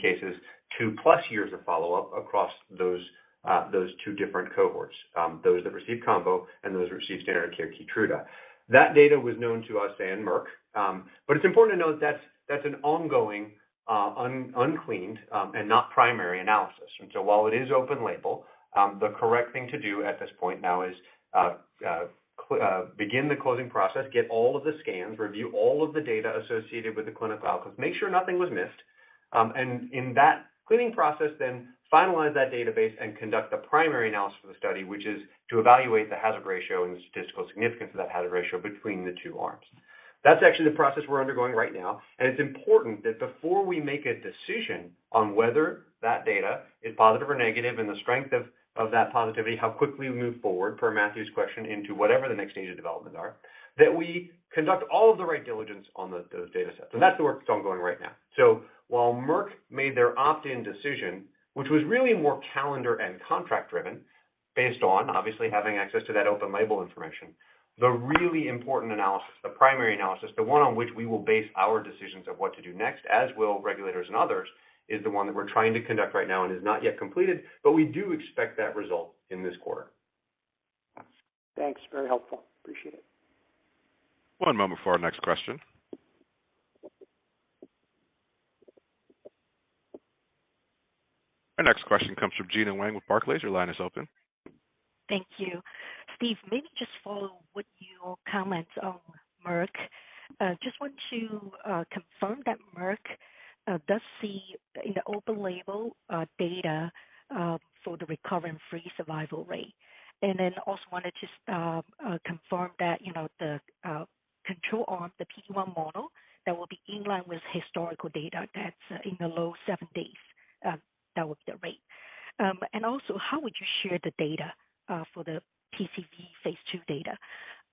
cases, two-plus years of follow-up across those two different cohorts, those that received combo and those who received standard care KEYTRUDA. That data was known to us and Merck. It's important to note that's an ongoing uncleaned and not primary analysis. While it is open label, the correct thing to do at this point now is to begin the closing process, get all of the scans, review all of the data associated with the clinical outcomes, make sure nothing was missed. In that cleaning process, then finalize that database and conduct the primary analysis of the study, which is to evaluate the hazard ratio and the statistical significance of that hazard ratio between the two arms. That's actually the process we're undergoing right now, and it's important that before we make a decision on whether that data is positive or negative and the strength of that positivity, how quickly we move forward, per Matthew's question, into whatever the next stage of development are, that we conduct all of the right diligence on those datasets. That's the work that's ongoing right now. While Merck made their opt-in decision, which was really more calendar and contract driven based on obviously having access to that open label information, the really important analysis, the primary analysis, the one on which we will base our decisions of what to do next, as will regulators and others, is the one that we're trying to conduct right now and is not yet completed, but we do expect that result in this quarter. Thanks. Very helpful. Appreciate it. One moment for our next question. Our next question comes from Gena Wang with Barclays. Your line is open. Thank you. Steve, maybe just follow with your comments on Merck. Just want to confirm that Merck does see the open-label data for the recurrence-free survival rate. Also wanted to confirm that, you know, the control on the PFS model that will be in line with historical data that's in the low 70s, that would be the rate. Also how would you share the data for the PCV Phase II data?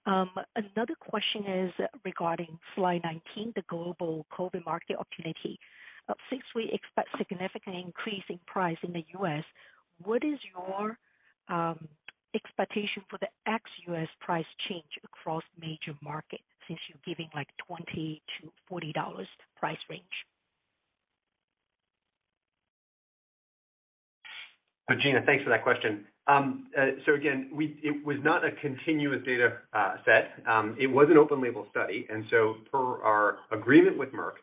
Another question is regarding slide 19, the global COVID market opportunity. Since we expect significant increase in price in the U.S., what is your expectation for the ex-U.S. price change across major markets since you're giving, like, $20-$40 price range? Gena, thanks for that question. Again, it was not a continuous data set. It was an open label study. Per our agreement with Merck,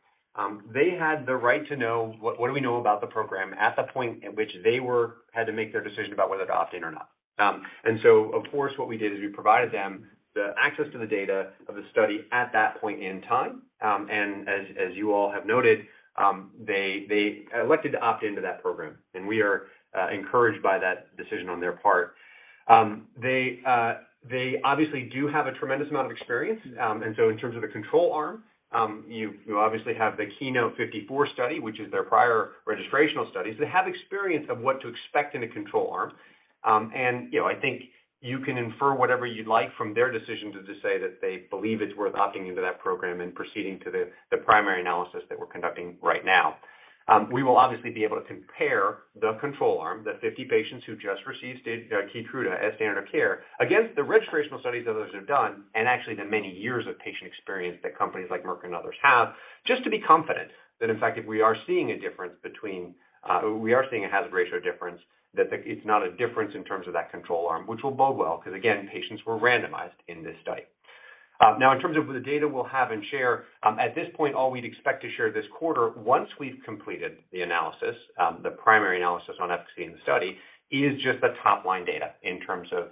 they had the right to know what do we know about the program at the point in which they had to make their decision about whether to opt in or not. Of course, what we did is we provided them the access to the data of the study at that point in time. As you all have noted, they elected to opt into that program. We are encouraged by that decision on their part. They obviously do have a tremendous amount of experience. In terms of the control arm, you obviously have the KEYNOTE-054 study, which is their prior registrational studies. They have experience of what to expect in a control arm. You know, I think you can infer whatever you'd like from their decisions to say that they believe it's worth opting into that program and proceeding to the primary analysis that we're conducting right now. We will obviously be able to compare the control arm, the 50 patients who just received KEYTRUDA as standard of care, against the registrational studies others have done, and actually the many years of patient experience that companies like Merck and others have, just to be confident that in fact, if we are seeing a difference between, we are seeing a hazard ratio difference, that it's not a difference in terms of that control arm, which will bode well, 'cause again, patients were randomized in this study. Now in terms of the data we'll have and share, at this point, all we'd expect to share this quarter once we've completed the analysis, the primary analysis on efficacy in the study, is just the top line data in terms of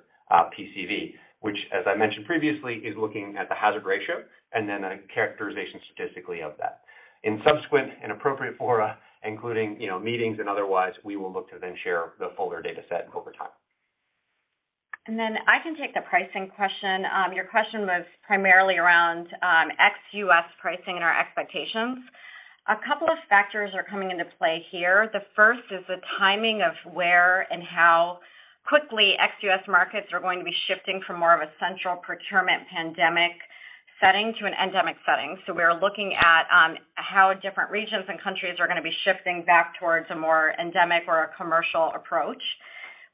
PCV, which as I mentioned previously, is looking at the hazard ratio and then a characterization statistically of that. In subsequent and appropriate fora, including you know meetings and otherwise, we will look to then share the fuller data set over time. Then I can take the pricing question. Your question was primarily around ex-U.S. pricing and our expectations. A couple of factors are coming into play here. The first is the timing of where and how quickly ex-U.S. markets are going to be shifting from more of a central procurement pandemic setting to an endemic setting. We're looking at how different regions and countries are gonna be shifting back towards a more endemic or a commercial approach.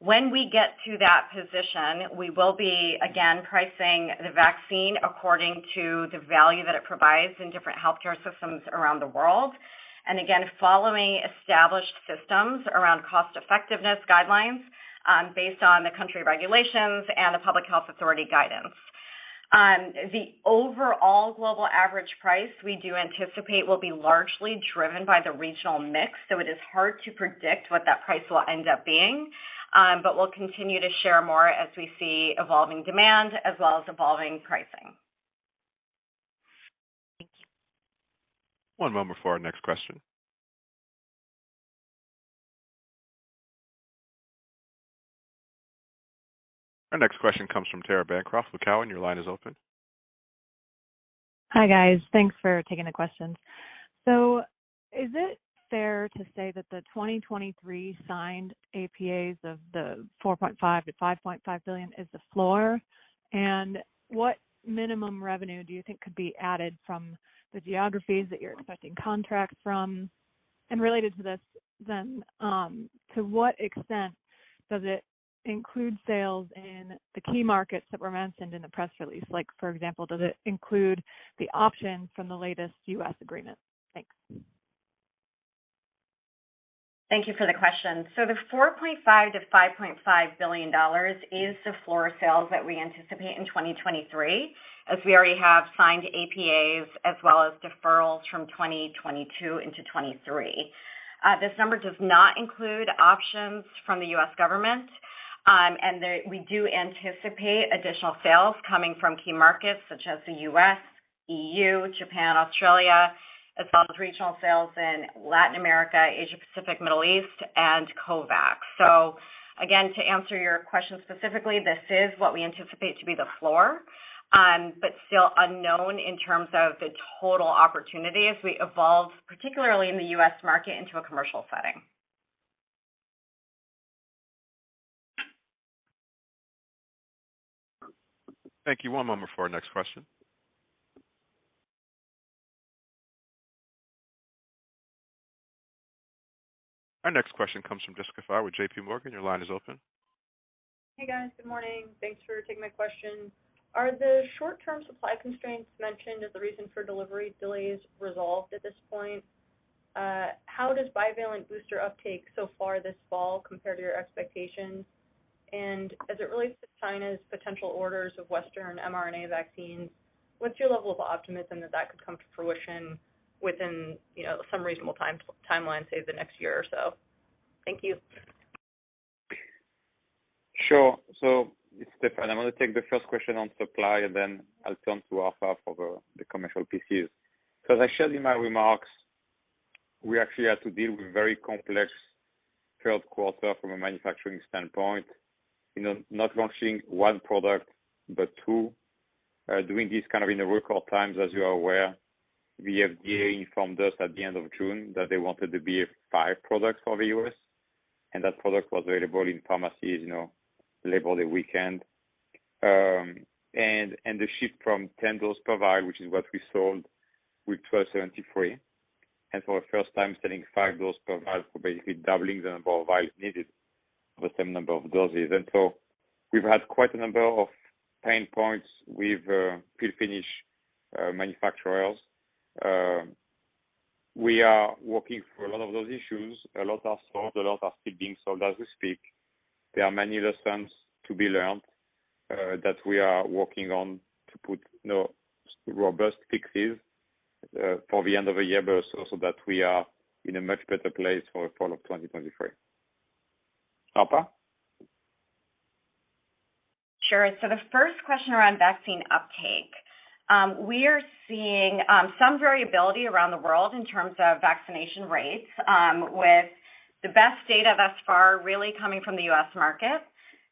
When we get to that position, we will be again pricing the vaccine according to the value that it provides in different healthcare systems around the world. Again, following established systems around cost effectiveness guidelines, based on the country regulations and the public health authority guidance. The overall global average price we do anticipate will be largely driven by the regional mix, so it is hard to predict what that price will end up being. We'll continue to share more as we see evolving demand as well as evolving pricing. Thank you. One moment for our next question. Our next question comes from Tara Bancroft with Cowen. Your line is open. Hi, guys. Thanks for taking the questions. Is it fair to say that the 2023 signed APAs of the $4.5 billion-$5.5 billion is the floor? What minimum revenue do you think could be added from the geographies that you're expecting contracts from? Related to this, to what extent does it include sales in the key markets that were mentioned in the press release? Like, for example, does it include the option from the latest U.S. agreement? Thanks. Thank you for the question. The $4.5 billion-$5.5 billion is the floor sales that we anticipate in 2023, as we already have signed APAs as well as deferrals from 2022 into 2023. This number does not include options from the U.S. government. We do anticipate additional sales coming from key markets such as the U.S., EU, Japan, Australia, as well as regional sales in Latin America, Asia-Pacific, Middle East, and COVAX. Again, to answer your question specifically, this is what we anticipate to be the floor, but still unknown in terms of the total opportunity as we evolve, particularly in the U.S. market, into a commercial setting. Thank you. One moment for our next question. Our next question comes from Jessica Fye with JPMorgan. Your line is open. Hey, guys. Good morning. Thanks for taking my question. Are the short-term supply constraints mentioned as the reason for delivery delays resolved at this point? How does bivalent booster uptake so far this fall compare to your expectations? As it relates to China's potential orders of Western mRNA vaccines, what's your level of optimism that that could come to fruition within, you know, some reasonable time, timeline, say, the next year or so? Thank you. Sure. It's Stéphane. I'm gonna take the first question on supply, and then I'll turn to Arpa for the commercial pieces. As I shared in my remarks, we actually had to deal with very complex third quarter from a manufacturing standpoint. You know, not launching one product, but two. Doing this kind of in the record times, as you are aware. The FDA informed us at the end of June that they wanted the BA.4/5 products for the U.S.. That product was available in pharmacies, you know, Labor Day weekend. The shift from 10-dose per vial, which is what we sold with 1273, and for the first time selling 5-dose per vial, so basically doubling the number of vials needed for the same number of doses. We've had quite a number of pain points with fill-finish manufacturers. We are working through a lot of those issues. A lot are solved, a lot are still being solved as we speak. There are many lessons to be learned that we are working on to put, you know, robust fixes for the end of the year, but also that we are in a much better place for fall of 2023. Arpa? Sure. The first question around vaccine uptake. We are seeing some variability around the world in terms of vaccination rates, with the best data thus far really coming from the U.S. market.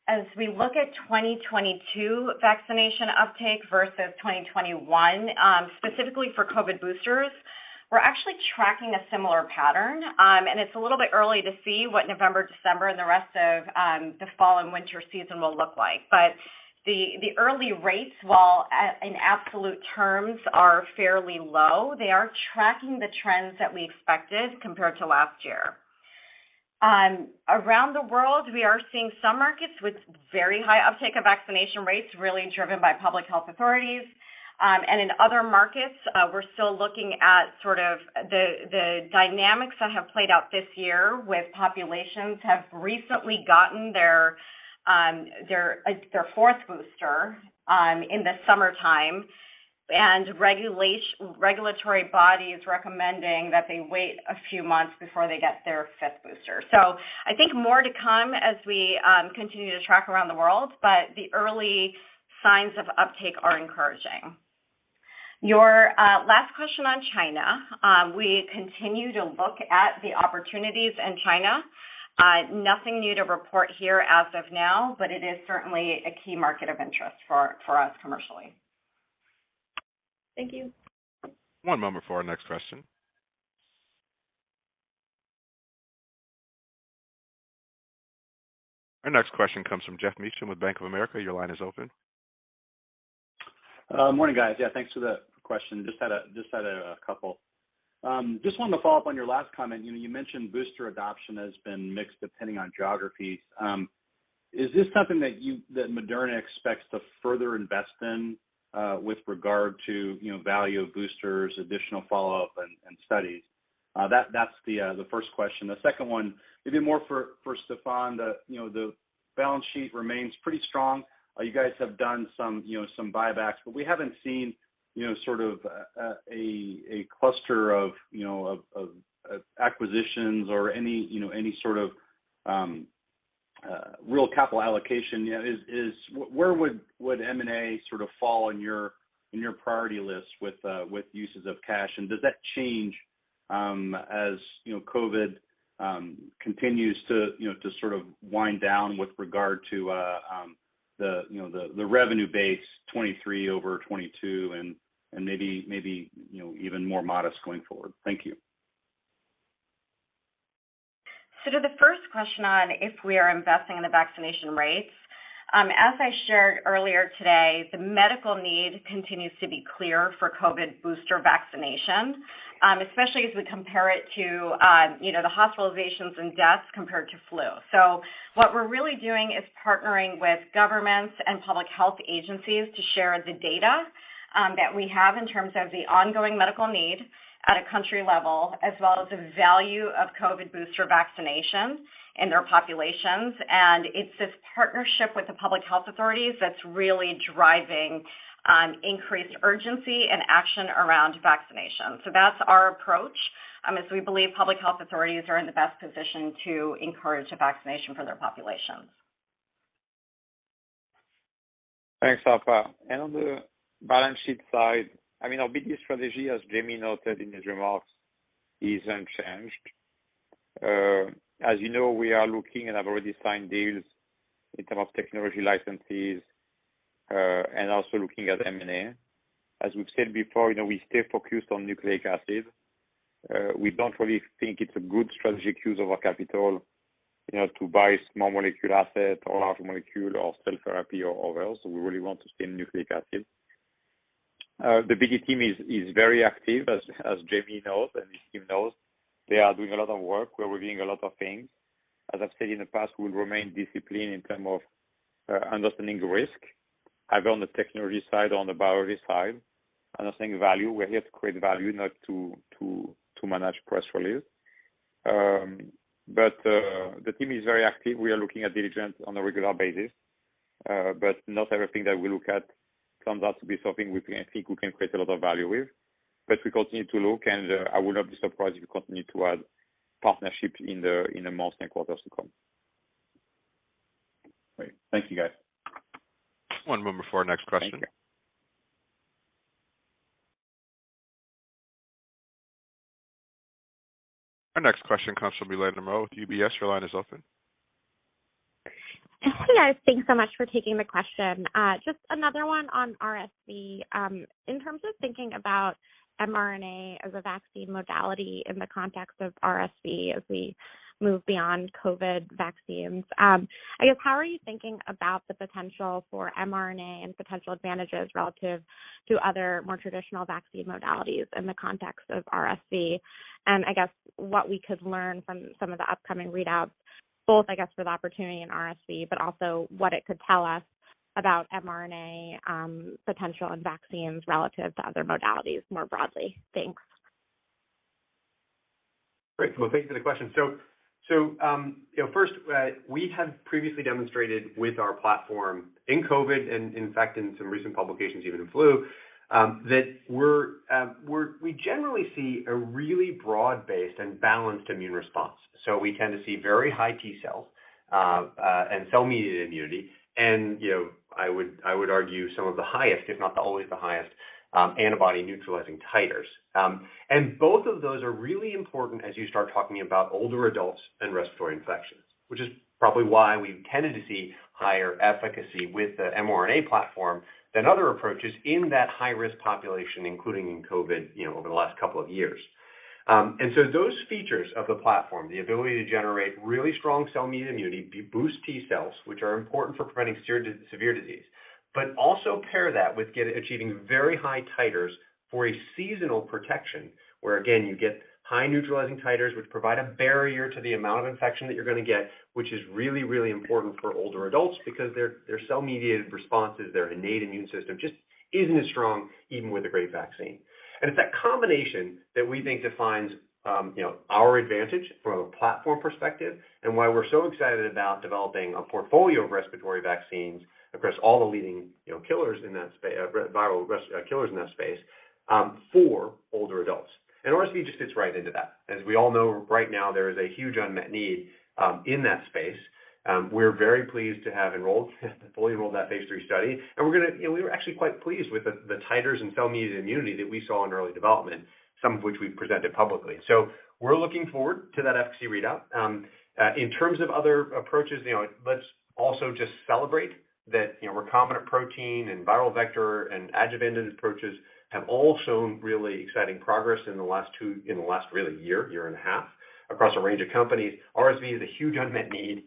As we look at 2022 vaccination uptake versus 2021, specifically for COVID boosters, we're actually tracking a similar pattern. It's a little bit early to see what November, December, and the rest of the fall and winter season will look like. The early rates, while in absolute terms are fairly low, they are tracking the trends that we expected compared to last year. Around the world, we are seeing some markets with very high uptake of vaccination rates really driven by public health authorities. In other markets, we're still looking at sort of the dynamics that have played out this year with populations have recently gotten their fourth booster in the summertime and regulatory bodies recommending that they wait a few months before they get their fifth booster. I think more to come as we continue to track around the world, but the early signs of uptake are encouraging. Your last question on China. We continue to look at the opportunities in China. Nothing new to report here as of now, but it is certainly a key market of interest for us commercially. Thank you. One moment for our next question. Our next question comes from Geoff Meacham with Bank of America. Your line is open. Morning, guys. Yeah, thanks for the question. Just had a couple. Just wanted to follow up on your last comment. You know, you mentioned booster adoption has been mixed depending on geographies. Is this something that Moderna expects to further invest in, with regard to, you know, value of boosters, additional follow-up and studies? That's the first question. The second one may be more for Stéphane. You know, the balance sheet remains pretty strong. You guys have done some, you know, buybacks, but we haven't seen, you know, sort of a cluster of acquisitions or any sort of real capital allocation. You know, where would M&A sort of fall on your, in your priority list with uses of cash? Does that change, as you know, COVID continues to you know to sort of wind down with regard to the you know, the revenue base 2023 over 2022 and maybe you know, even more modest going forward? Thank you. To the first question on if we are investing in the vaccination rates, as I shared earlier today, the medical need continues to be clear for COVID booster vaccination, especially as we compare it to, you know, the hospitalizations and deaths compared to flu. What we're really doing is partnering with governments and public health agencies to share the data that we have in terms of the ongoing medical need at a country level, as well as the value of COVID booster vaccinations in their populations. It's this partnership with the public health authorities that's really driving increased urgency and action around vaccinations. That's our approach, as we believe public health authorities are in the best position to encourage the vaccination for their populations. Thanks, Arpa. On the balance sheet side, I mean, our BD strategy, as Jamey noted in his remarks, is unchanged. As you know, we are looking and have already signed deals in terms of technology licenses, and also looking at M&A. As we've said before, you know, we stay focused on nucleic acid. We don't really think it's a good strategic use of our capital, you know, to buy small molecule asset or large molecule or cell therapy or else. We really want to stay in nucleic acid. The BD team is very active, as Jamey knows and Stephen knows. They are doing a lot of work. We're reviewing a lot of things. As I've said in the past, we'll remain disciplined in terms of understanding risk, either on the technology side or on the biology side, understanding value. We're here to create value, not to manage price release. The team is very active. We are looking at diligence on a regular basis, but not everything that we look at comes out to be something we can think we can create a lot of value with. We continue to look, and I would not be surprised if we continue to add partnerships in the months and quarters to come. Great. Thank you, guys. One moment for our next question. Our next question comes from Eliana Merle with UBS. Your line is open. Hello. Thanks so much for taking the question. Just another one on RSV. In terms of thinking about mRNA as a vaccine modality in the context of RSV as we move beyond COVID vaccines, I guess how are you thinking about the potential for mRNA and potential advantages relative to other more traditional vaccine modalities in the context of RSV? I guess what we could learn from some of the upcoming readouts, both, I guess, for the opportunity in RSV, but also what it could tell us about mRNA potential in vaccines relative to other modalities more broadly. Thanks. Great. Well, thank you for the question. You know, first, we have previously demonstrated with our platform in COVID and in fact in some recent publications, even in flu, that we're we generally see a really broad-based and balanced immune response. We tend to see very high T cells and cell-mediated immunity. You know, I would argue some of the highest, if not always the highest, antibody-neutralizing titers. And both of those are really important as you start talking about older adults and respiratory infections, which is probably why we've tended to see higher efficacy with the mRNA platform than other approaches in that high-risk population, including in COVID, you know, over the last couple of years. Those features of the platform, the ability to generate really strong cell-mediated immunity, boost T cells, which are important for preventing severe disease, but also pair that with achieving very high titers for a seasonal protection, where again, you get high neutralizing titers, which provide a barrier to the amount of infection that you're gonna get, which is really, really important for older adults because their cell-mediated responses, their innate immune system just isn't as strong, even with a great vaccine. It's that combination that we think defines, you know, our advantage from a platform perspective and why we're so excited about developing a portfolio of respiratory vaccines across all the leading, you know, killers in that space, for older adults. RSV just fits right into that. As we all know, right now, there is a huge unmet need in that space. We're very pleased to fully enroll that Phase III study. You know, we were actually quite pleased with the titers and cell-mediated immunity that we saw in early development, some of which we've presented publicly. We're looking forward to that efficacy readout. In terms of other approaches, you know, let's also just celebrate that, you know, recombinant protein and viral vector and adjuvanted approaches have all shown really exciting progress in the last really year and a half across a range of companies. RSV is a huge unmet need.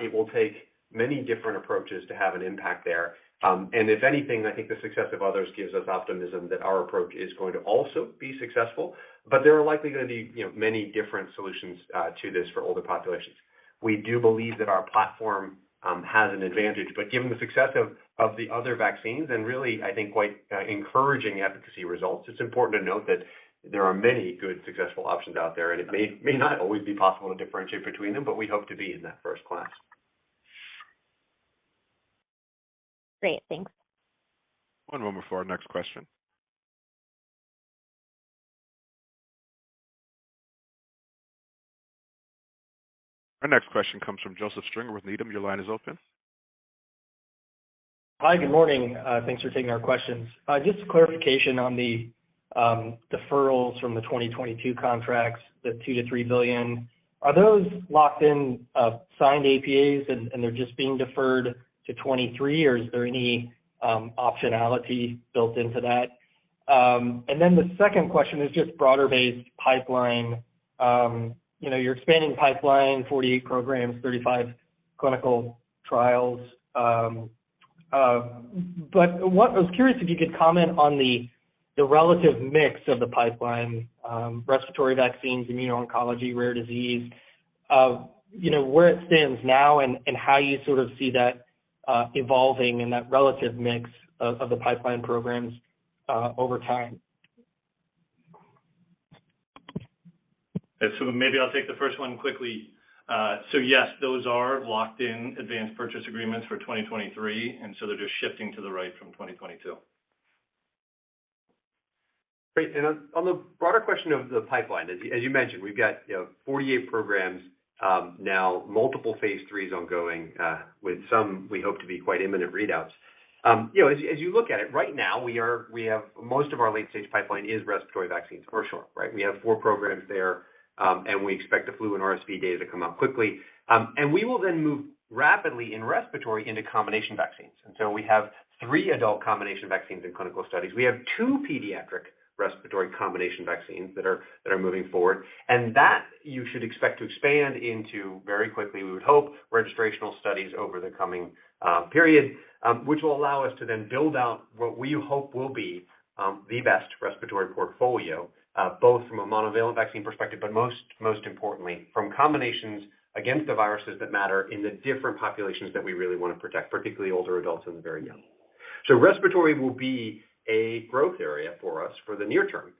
It will take many different approaches to have an impact there. If anything, I think the success of others gives us optimism that our approach is going to also be successful. There are likely gonna be, you know, many different solutions to this for older populations. We do believe that our platform has an advantage, but given the success of the other vaccines and really, I think, quite encouraging efficacy results, it's important to note that there are many good successful options out there, and it may not always be possible to differentiate between them, but we hope to be in that first class. Great. Thanks. One moment for our next question. Our next question comes from Joseph Stringer with Needham. Your line is open. Hi, good morning. Thanks for taking our questions. Just clarification on the deferrals from the 2022 contracts, the $2 billion-$3 billion. Are those locked in, signed APAs and they're just being deferred to 2023, or is there any optionality built into that? And then the second question is just broader-based pipeline. You know, you're expanding pipeline 48 programs, 35 clinical trials. But I was curious if you could comment on the relative mix of the pipeline, respiratory vaccines, immuno-oncology, rare disease, you know, where it stands now and how you sort of see that evolving and that relative mix of the pipeline programs over time. Maybe I'll take the first one quickly. Yes, those are locked in advanced purchase agreements for 2023, and so they're just shifting to the right from 2022. Great. On the broader question of the pipeline, as you mentioned, we've got 48 programs, now multiple Phase IIIs ongoing, with some we hope to be quite imminent readouts. As you look at it right now, we have most of our late-stage pipeline is respiratory vaccines for sure, right? We have four programs there, and we expect the flu and RSV data to come out quickly. We will then move rapidly in respiratory into combination vaccines. We have three adult combination vaccines in clinical studies. We have two pediatric respiratory combination vaccines that are moving forward. That you should expect to expand into very quickly, we would hope, registrational studies over the coming period, which will allow us to then build out what we hope will be the best respiratory portfolio, both from a monovalent vaccine perspective, but most importantly, from combinations against the viruses that matter in the different populations that we really wanna protect, particularly older adults and the very young. Respiratory will be a growth area for us for the near term.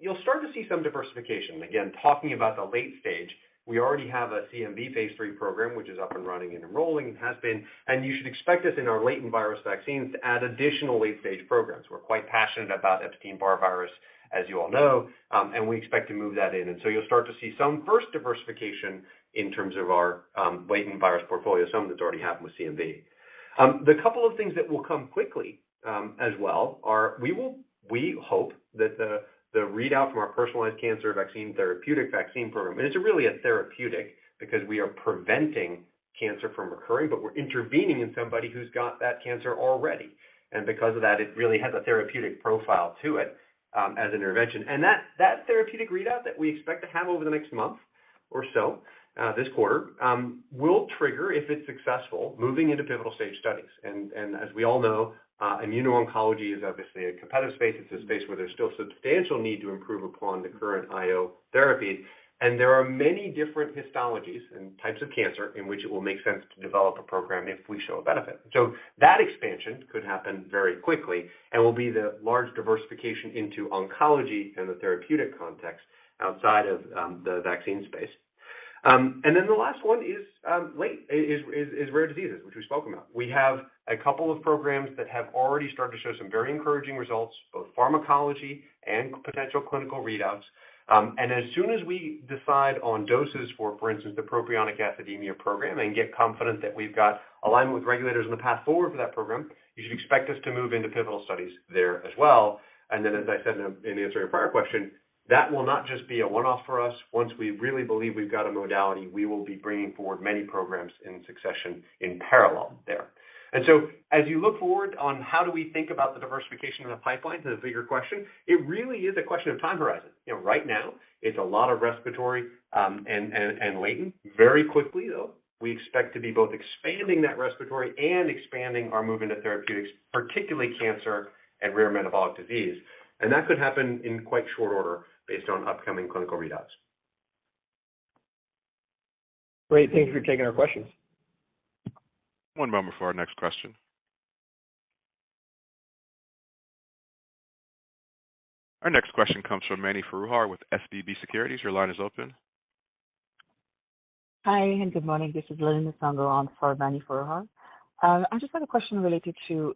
You'll start to see some diversification. Again, talking about the late stage, we already have a CMV Phase III program, which is up and running and enrolling and has been, and you should expect us in our latent virus vaccines to add additional late-stage programs. We're quite passionate about Epstein-Barr virus, as you all know, and we expect to move that in. You'll start to see some first diversification in terms of our latent virus portfolio, some that's already happened with CMV. The couple of things that will come quickly, as well are we hope that the readout from our personalized cancer vaccine, therapeutic vaccine program, and it's really a therapeutic because we are preventing cancer from recurring, but we're intervening in somebody who's got that cancer already. Because of that, it really has a therapeutic profile to it, as intervention. That therapeutic readout that we expect to have over the next month or so, this quarter, will trigger, if it's successful, moving into pivotal stage studies. As we all know, immuno-oncology is obviously a competitive space. It's a space where there's still substantial need to improve upon the current IO therapy. There are many different histologies and types of cancer in which it will make sense to develop a program if we show a benefit. That expansion could happen very quickly and will be the large diversification into oncology in the therapeutic context outside of the vaccine space. The last one is rare diseases, which we've spoken about. We have a couple of programs that have already started to show some very encouraging results, both pharmacology and potential clinical readouts. As soon as we decide on doses for instance, the propionic acidemia program, and get confident that we've got alignment with regulators in the path forward for that program, you should expect us to move into pivotal studies there as well. Then, as I said in answering a prior question, that will not just be a one-off for us. Once we really believe we've got a modality, we will be bringing forward many programs in succession in parallel there. As you look forward on how do we think about the diversification of the pipeline to the bigger question, it really is a question of time horizon. You know, right now it's a lot of respiratory, and latent. Very quickly, though, we expect to be both expanding that respiratory and expanding our movement of therapeutics, particularly cancer and rare metabolic disease. That could happen in quite short order based on upcoming clinical readouts. Great. Thank you for taking our questions. One moment for our next question. Our next question comes from Mani Foroohar with SVB Securities. Your line is open. Hi, good morning. This is Lili Nsongo for Mani Foroohar. I just had a question related to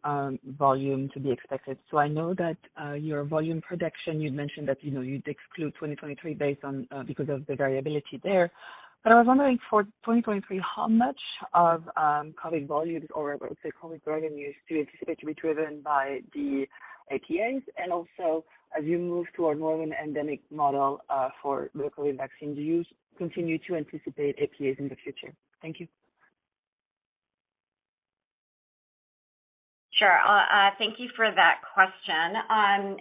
volume to be expected. I know that your volume projection, you'd mentioned that, you know, you'd exclude 2023 because of the variability there. I was wondering for 2023, how much of COVID volumes or, I would say COVID revenue, do you anticipate to be driven by the APAs? And also, as you move to more of an endemic model for COVID vaccine, do you continue to anticipate APAs in the future? Thank you. Sure. Thank you for that question.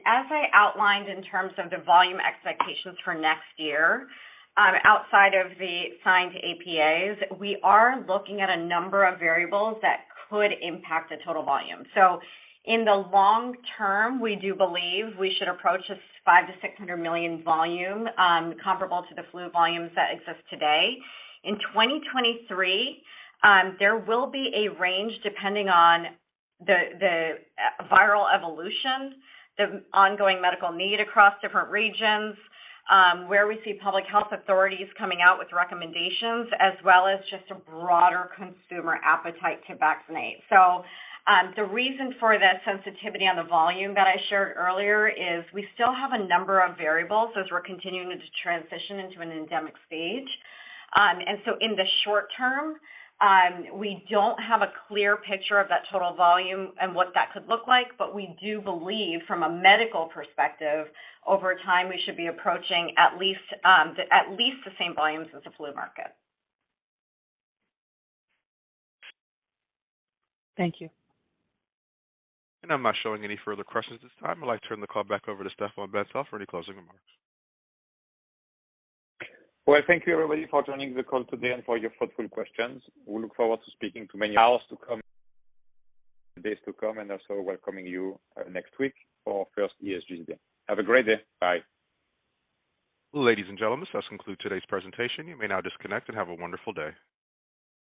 As I outlined in terms of the volume expectations for next year, outside of the signed APAs, we are looking at a number of variables that could impact the total volume. In the long term, we do believe we should approach this 500-600 million volume, comparable to the flu volumes that exist today. In 2023, there will be a range depending on the viral evolution, the ongoing medical need across different regions, where we see public health authorities coming out with recommendations, as well as just a broader consumer appetite to vaccinate. The reason for the sensitivity on the volume that I shared earlier is we still have a number of variables as we're continuing to transition into an endemic stage. In the short term, we don't have a clear picture of that total volume and what that could look like, but we do believe from a medical perspective, over time, we should be approaching at least the same volumes as the flu market. Thank you. I'm not showing any further questions at this time. I'd like to turn the call back over to Stéphane Bancel for any closing remarks. Well, thank you, everybody, for joining the call today and for your thoughtful questions. We look forward to speaking with you many hours to come, days to come, and also welcoming you next week for our first ESG day. Have a great day. Bye. Ladies and gentlemen, this does conclude today's presentation. You may now disconnect and have a wonderful day.